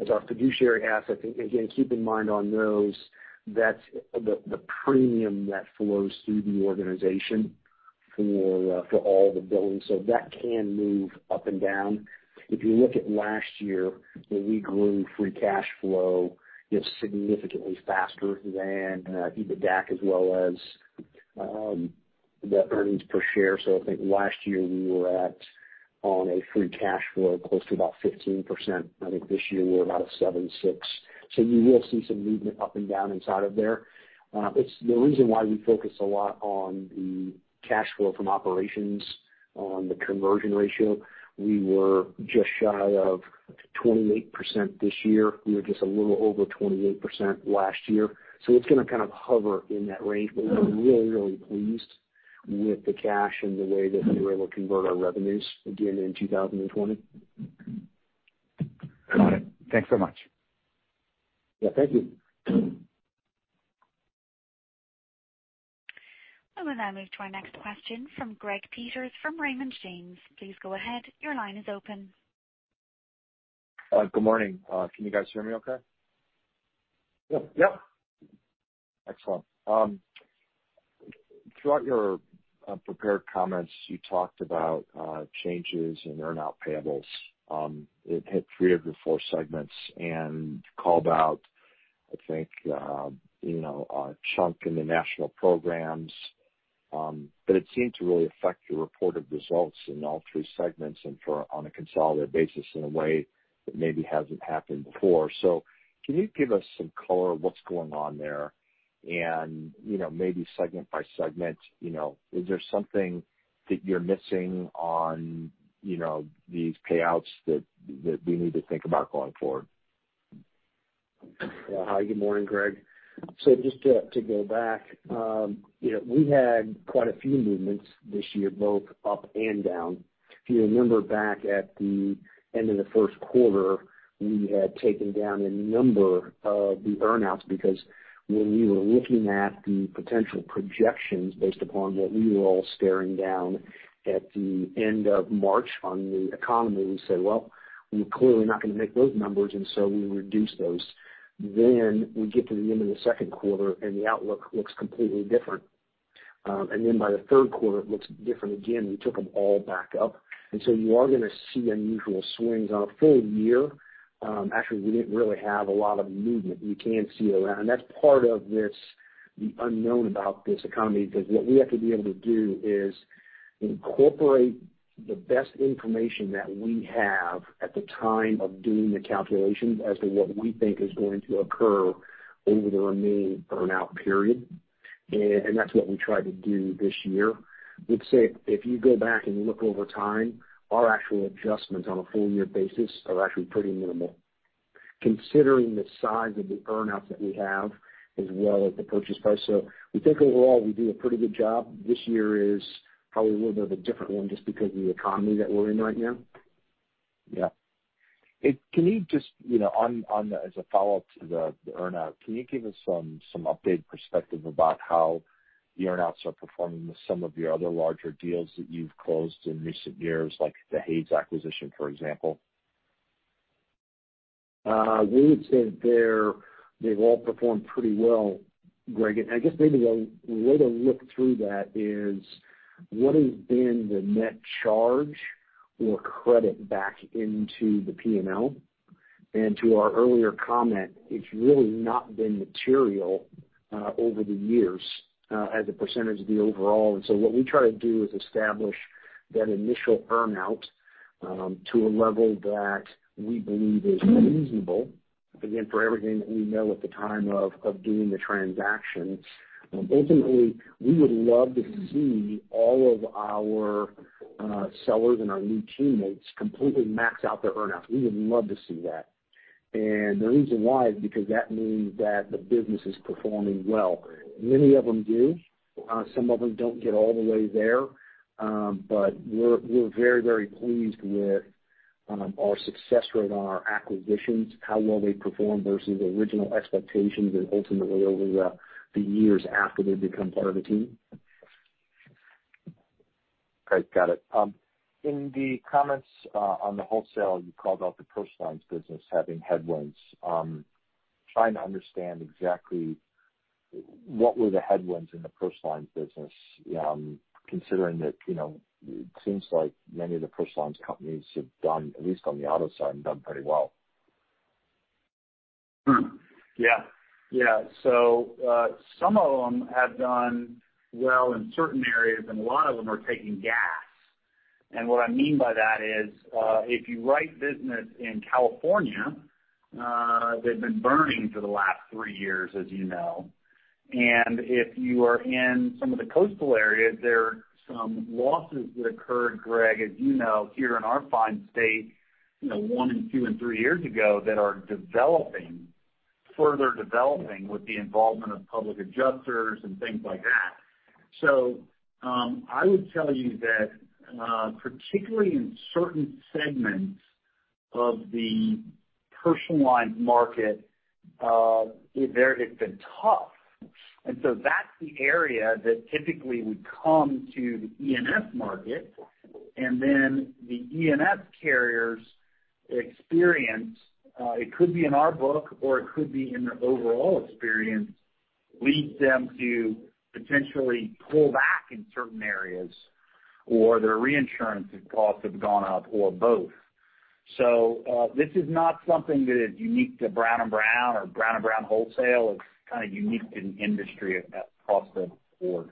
Speaker 3: As our fiduciary assets, again, keep in mind on those, that's the premium that flows through the organization for all the billing. That can move up and down. If you look at last year, where we grew free cash flow, it's significantly faster than EBITDAC as well as the earnings per share. I think last year we were at on a free cash flow close to about 15%. I think this year we're about a seven, six. You will see some movement up and down inside of there. The reason why we focus a lot on the cash flow from operations on the conversion ratio, we were just shy of 28% this year. We were just a little over 28% last year. It's going to kind of hover in that range. We're really, really pleased with the cash and the way that we were able to convert our revenues again in 2020.
Speaker 7: Got it. Thanks so much.
Speaker 3: Yeah, thank you.
Speaker 1: We will now move to our next question from Greg Peters from Raymond James. Please go ahead. Your line is open.
Speaker 8: Good morning. Can you guys hear me okay?
Speaker 3: Yeah.
Speaker 2: Yeah.
Speaker 8: Excellent. Throughout your prepared comments, you talked about changes in earn-out payables. It hit three of your four segments and called out, I think, a chunk in the National Programs. It seemed to really affect your reported results in all three segments and on a consolidated basis in a way that maybe hasn't happened before. Can you give us some color of what's going on there, and maybe segment by segment, is there something that you're missing on these payouts that we need to think about going forward?
Speaker 3: Hi. Good morning, Greg. Just to go back, we had quite a few movements this year, both up and down. If you remember back in the first quarter, we had taken down a number of the earn-outs because when we were looking at the potential projections based upon what we were all staring down at the end of March on the economy, we said, "Well, we're clearly not going to make those numbers," we reduced those. We get to the end of the second quarter, and the outlook looks completely different. By the third quarter, it looks different again; we took them all back up. You are going to see unusual swings. On a full year, actually, we didn't really have a lot of movement. You can see around. That's part of the unknown about this economy, because what we have to be able to do is incorporate the best information that we have at the time of doing the calculations as to what we think is going to occur over the remaining earn-out period. That's what we tried to do this year. I would say if you go back and look over time, our actual adjustments on a full-year basis are actually pretty minimal, considering the size of the earn-outs that we have as well as the purchase price. We think overall, we do a pretty good job. This year is probably a little bit of a different one just because of the economy that we're in right now.
Speaker 8: Yeah. As a follow-up to the earn-out, can you give us some updated perspective about how the earn-outs are performing with some of your other larger deals that you've closed in recent years, like the Hays acquisition, for example?
Speaker 3: We would say that they've all performed pretty well, Greg. I guess maybe the way to look through that is what has been the net charge or credit back into the P&L. To our earlier comment, it's really not been material over the years as a percentage of the overall. What we try to do is establish that initial earn-out to a level that we believe is reasonable, again, for everything that we know at the time of doing the transaction. Ultimately, we would love to see all of our sellers and our new teammates completely max out their earn-out. We would love to see that. The reason why is because that means that the business is performing well. Many of them do. Some of them don't get all the way there. We're very pleased with our success rate on our acquisitions, how well they perform versus original expectations, and ultimately over the years after they become part of the team.
Speaker 8: Great. Got it. In the comments on the Wholesale, you called out the personal lines business having headwinds. Trying to understand exactly what were the headwinds in the personal lines business, considering that it seems like many of the personal lines companies have done, at least on the auto side, done pretty well.
Speaker 2: Yeah. Some of them have done well in certain areas, and a lot of them are taking gas. What I mean by that is, if you write business in California, they've been burning for the last three years, as you know. If you are in some of the coastal areas, there are some losses that occurred, Greg, as you know, here in our fine state one and two and three years ago that are further developing with the involvement of public adjusters and things like that. I would tell you that, particularly in certain segments of the personal lines market, there it's been tough. That's the area that typically would come to the E&S market, and then the E&S carrier's experience, it could be in our book, or it could be in their overall experience, leads them to potentially pull back in certain areas, or their reinsurance costs have gone up, or both. This is not something that is unique to Brown & Brown or Brown & Brown Wholesale. It's kind of unique to the industry across the board.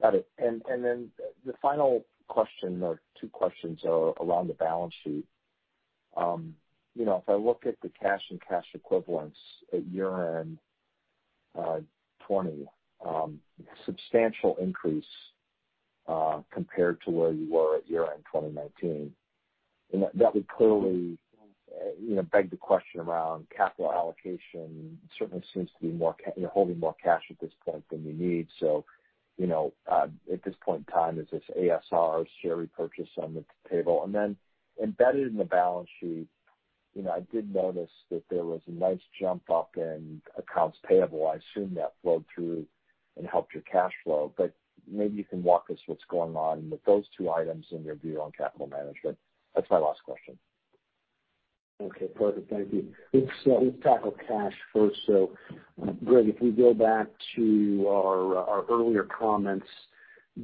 Speaker 8: Got it. The final question or two questions are around the balance sheet. If I look at the cash and cash equivalents at year-end 2020, substantial increase compared to where you were at year-end 2019. That would clearly beg the question around capital allocation. Certainly seems you're holding more cash at this point than you need. At this point in time, is this ASR share repurchase on the table? Embedded in the balance sheet, I did notice that there was a nice jump up in accounts payable. I assume that flowed through and helped your cash flow. Maybe you can walk us what's going on with those two items and your view on capital management. That's my last question.
Speaker 3: Okay, perfect. Thank you. Let's tackle cash first. Greg, if we go back to our earlier comments,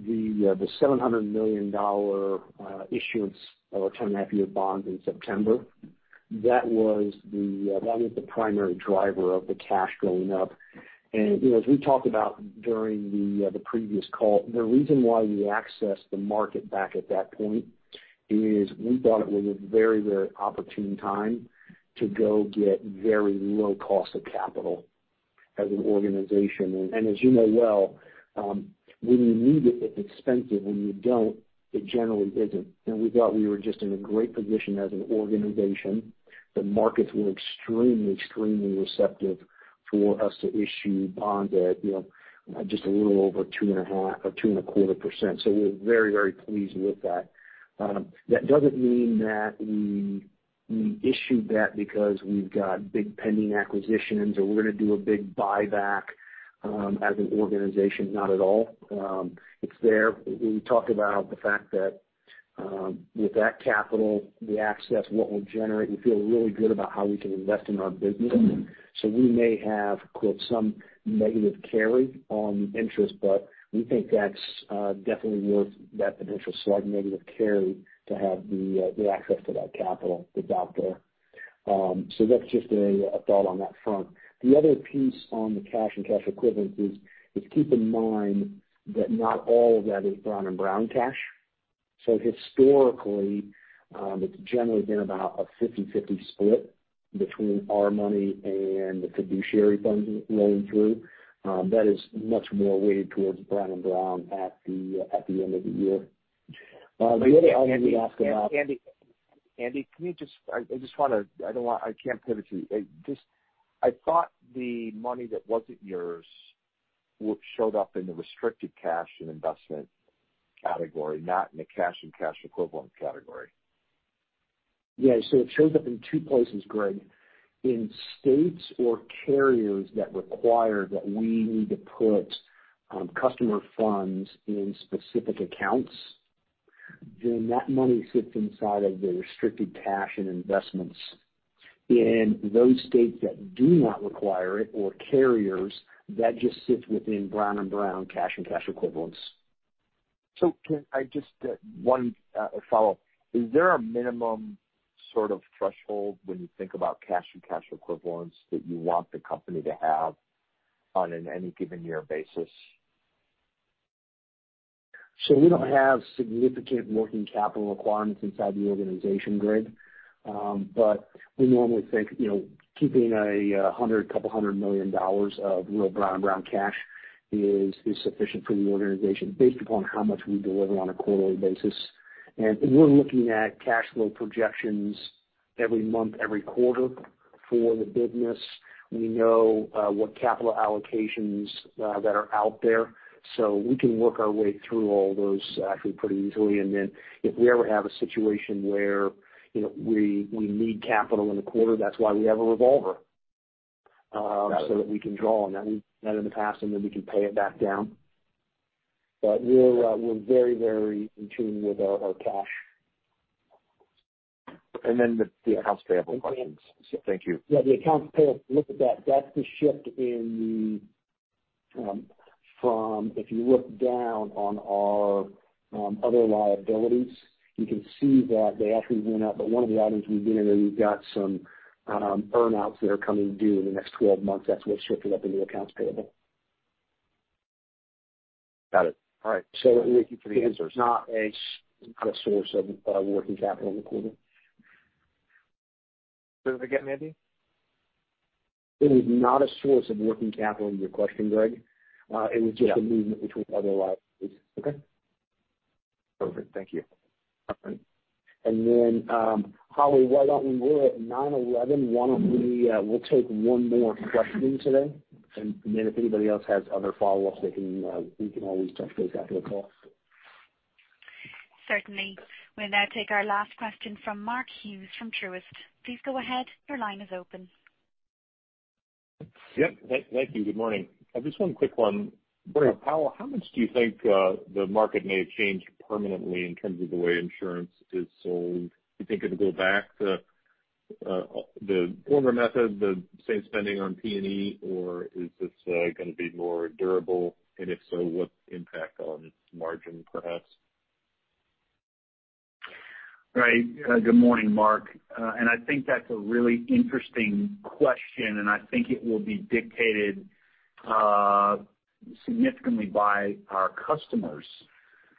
Speaker 3: the $700 million issuance of our 10-and-a-half-year bonds in September, that was the primary driver of the cash going up. As we talked about during the previous call, the reason why we accessed the market back at that point is we thought it was a very opportune time to go get a very low cost of capital as an organization. As you know well, when you need it's expensive. When you don't, it generally isn't. We thought we were just in a great position as an organization. The markets were extremely receptive for us to issue bonds at just a little over 2.5% or 2.25%. We're very pleased with that. That doesn't mean that we issued that because we've got big pending acquisitions, or we're going to do a big buyback as an organization, not at all. It's there. We talked about the fact that with that capital, the access, what we'll generate, we feel really good about how we can invest in our business. We may have, quote, some negative carry on interest, but we think that's definitely worth that potential slight negative carry to have access to that capital. That's just a thought on that front. The other piece on the cash and cash equivalent is, keep in mind that not all of that is Brown & Brown cash. Historically, it's generally been about a 50/50 split between our money and the fiduciary funds rolling through. That is much more weighted towards Brown & Brown at the end of the year. The other item you asked about.
Speaker 8: Andy, I just want to, I don't want, I can't pivot you. I thought the money that wasn't yours showed up in the restricted cash and investment category, not in the cash and cash equivalent category.
Speaker 3: Yeah. It shows up in two places, Greg. In states or carriers that require us to put customer funds in specific accounts, then that money sits inside of the restricted cash and investments. In those states that do not require it, or carriers that just sit within Brown & Brown cash and cash equivalents.
Speaker 8: Can I just, one follow-up? Is there a minimum sort of threshold when you think about cash and cash equivalents that you want the company to have on an any given year basis?
Speaker 3: We don't have significant working capital requirements inside the organization, Greg. We normally think keeping $100, a couple of hundred million dollars of real Brown & Brown cash, is sufficient for the organization based upon how much we deliver on a quarterly basis. We're looking at cash flow projections every month, every quarter for the business. We know what capital allocations that are out there, so we can work our way through all those actually, pretty easily. If we ever have a situation where we need capital in a quarter, that's why we have a revolver.
Speaker 8: Got it.
Speaker 3: So that we can draw on that. We've done that in the past, and then we can pay it back down. We're very in tune with our cash.
Speaker 8: The accounts payable questions. Thank you.
Speaker 3: Yeah, the accounts payable, look at that. That's the shift from if you look down on our other liabilities, you can see that they actually went up. One of the items we didn't know, we've got some earn-outs that are coming due in the next 12 months. That's what shifted up into accounts payable.
Speaker 8: Got it. All right.
Speaker 3: Thank you for the answers. It's not a source of working capital in the quarter.
Speaker 8: Say that again, Andy?
Speaker 3: It is not a source of working capital, your question, Greg.
Speaker 8: Yeah.
Speaker 3: It was just a movement between other liabilities.
Speaker 8: Okay. Perfect. Thank you.
Speaker 3: All right. Holly, we're at 9:11 A.M. We'll take one more question today, and then if anybody else has other follow-ups, we can always touch base after the call.
Speaker 1: Certainly. We'll now take our last question from Mark Hughes from Truist. Please go ahead. Your line is open.
Speaker 9: Yep. Thank you. Good morning. I've just one quick one.
Speaker 3: Great.
Speaker 9: Powell, how much do you think the market may have changed permanently in terms of the way insurance is sold? Do you think it'll go back to the former method, the same spending on T&E, or is this going to be more durable? If so, what impact on its margin, perhaps?
Speaker 2: Right. Good morning, Mark. I think that's a really interesting question, and I think it will be dictated significantly by our customers.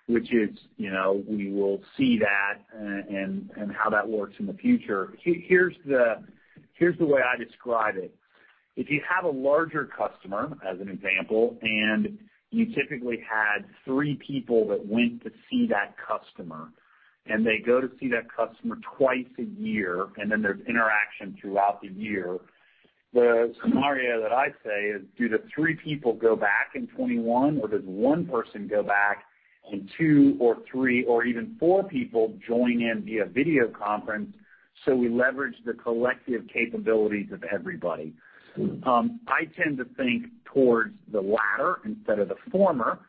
Speaker 2: Which is, we will see that and how that works in the future. Here's the way I describe it. If you have a larger customer, as an example, and you typically had three people that went to see that customer, and they go to see that customer twice a year, and then there's interaction throughout the year. The scenario that I say is, do the three people go back in 2021, or does one person go back and two or three or even four people join in via video conference, so we leverage the collective capabilities of everybody? I tend to think towards the latter instead of the former.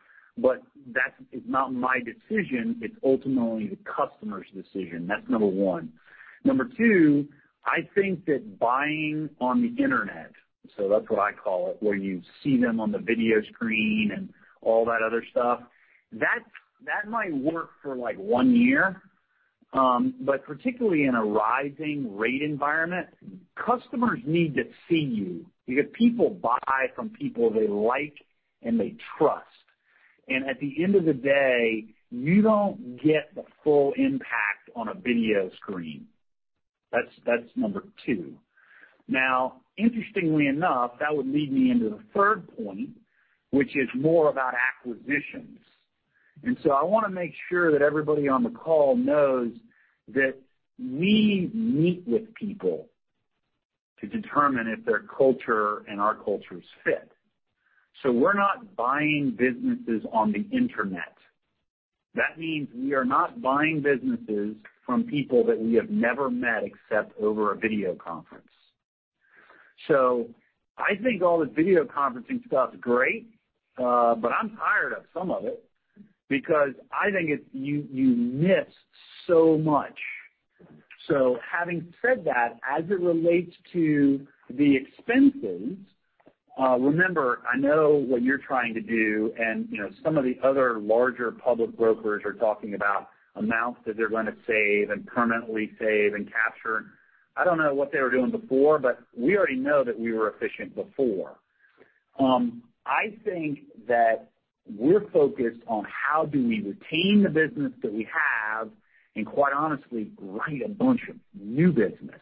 Speaker 2: That is not my decision. It's ultimately the customer's decision. That's number one. Number two, I think that buying on the internet, so that's what I call it, where you see them on the video screen and all that other stuff, that might work for one year. Particularly in a rising rate environment, customers need to see you because people buy from people they like and they trust. At the end of the day, you don't get the full impact on a video screen. That's number two. Now, interestingly enough, that would lead me into the third point, which is more about acquisitions. I want to make sure that everybody on the call knows that we meet with people. To determine if their culture and our culture fit. We're not buying businesses on the internet. That means we are not buying businesses from people that we have never met, except over a video conference. I think all this video conferencing stuff's great, but I'm tired of some of it because I think you miss so much. Having said that, as it relates to the expenses, remember, I know what you're trying to do, and some of the other larger public brokers are talking about amounts that they're going to save and permanently save and capture. I don't know what they were doing before, but we already know that we were efficient before. I think that we're focused on how do we retain the business that we have and quite honestly, write a bunch of new business.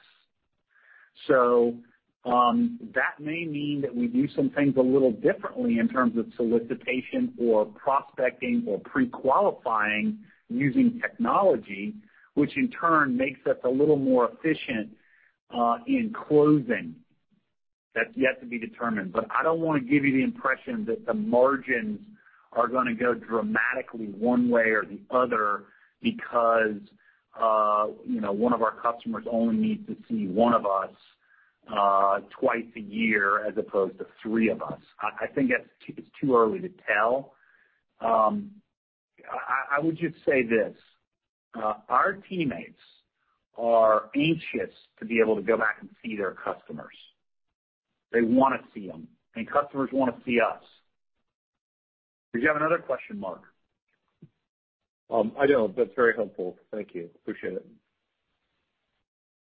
Speaker 2: That may mean that we do some things a little differently in terms of solicitation, or prospecting, or pre-qualifying using technology, which in turn makes us a little more efficient in closing. That's yet to be determined. I don't want to give you the impression that the margins are going to go dramatically one way or the other because one of our customers only needs to see one of us twice a year as opposed to three of us. I think it's too early to tell. I would just say this: our teammates are anxious to be able to go back and see their customers. They want to see them, and customers want to see us. Did you have another question, Mark?
Speaker 9: I don't, but it's very helpful. Thank you. Appreciate it.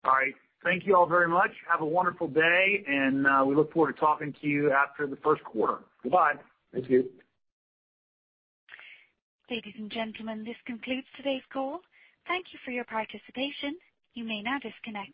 Speaker 2: All right. Thank you all very much. Have a wonderful day, and we look forward to talking to you after the first quarter. Goodbye.
Speaker 3: Thank you.
Speaker 1: Ladies and gentlemen, this concludes today's call. Thank you for your participation. You may now disconnect.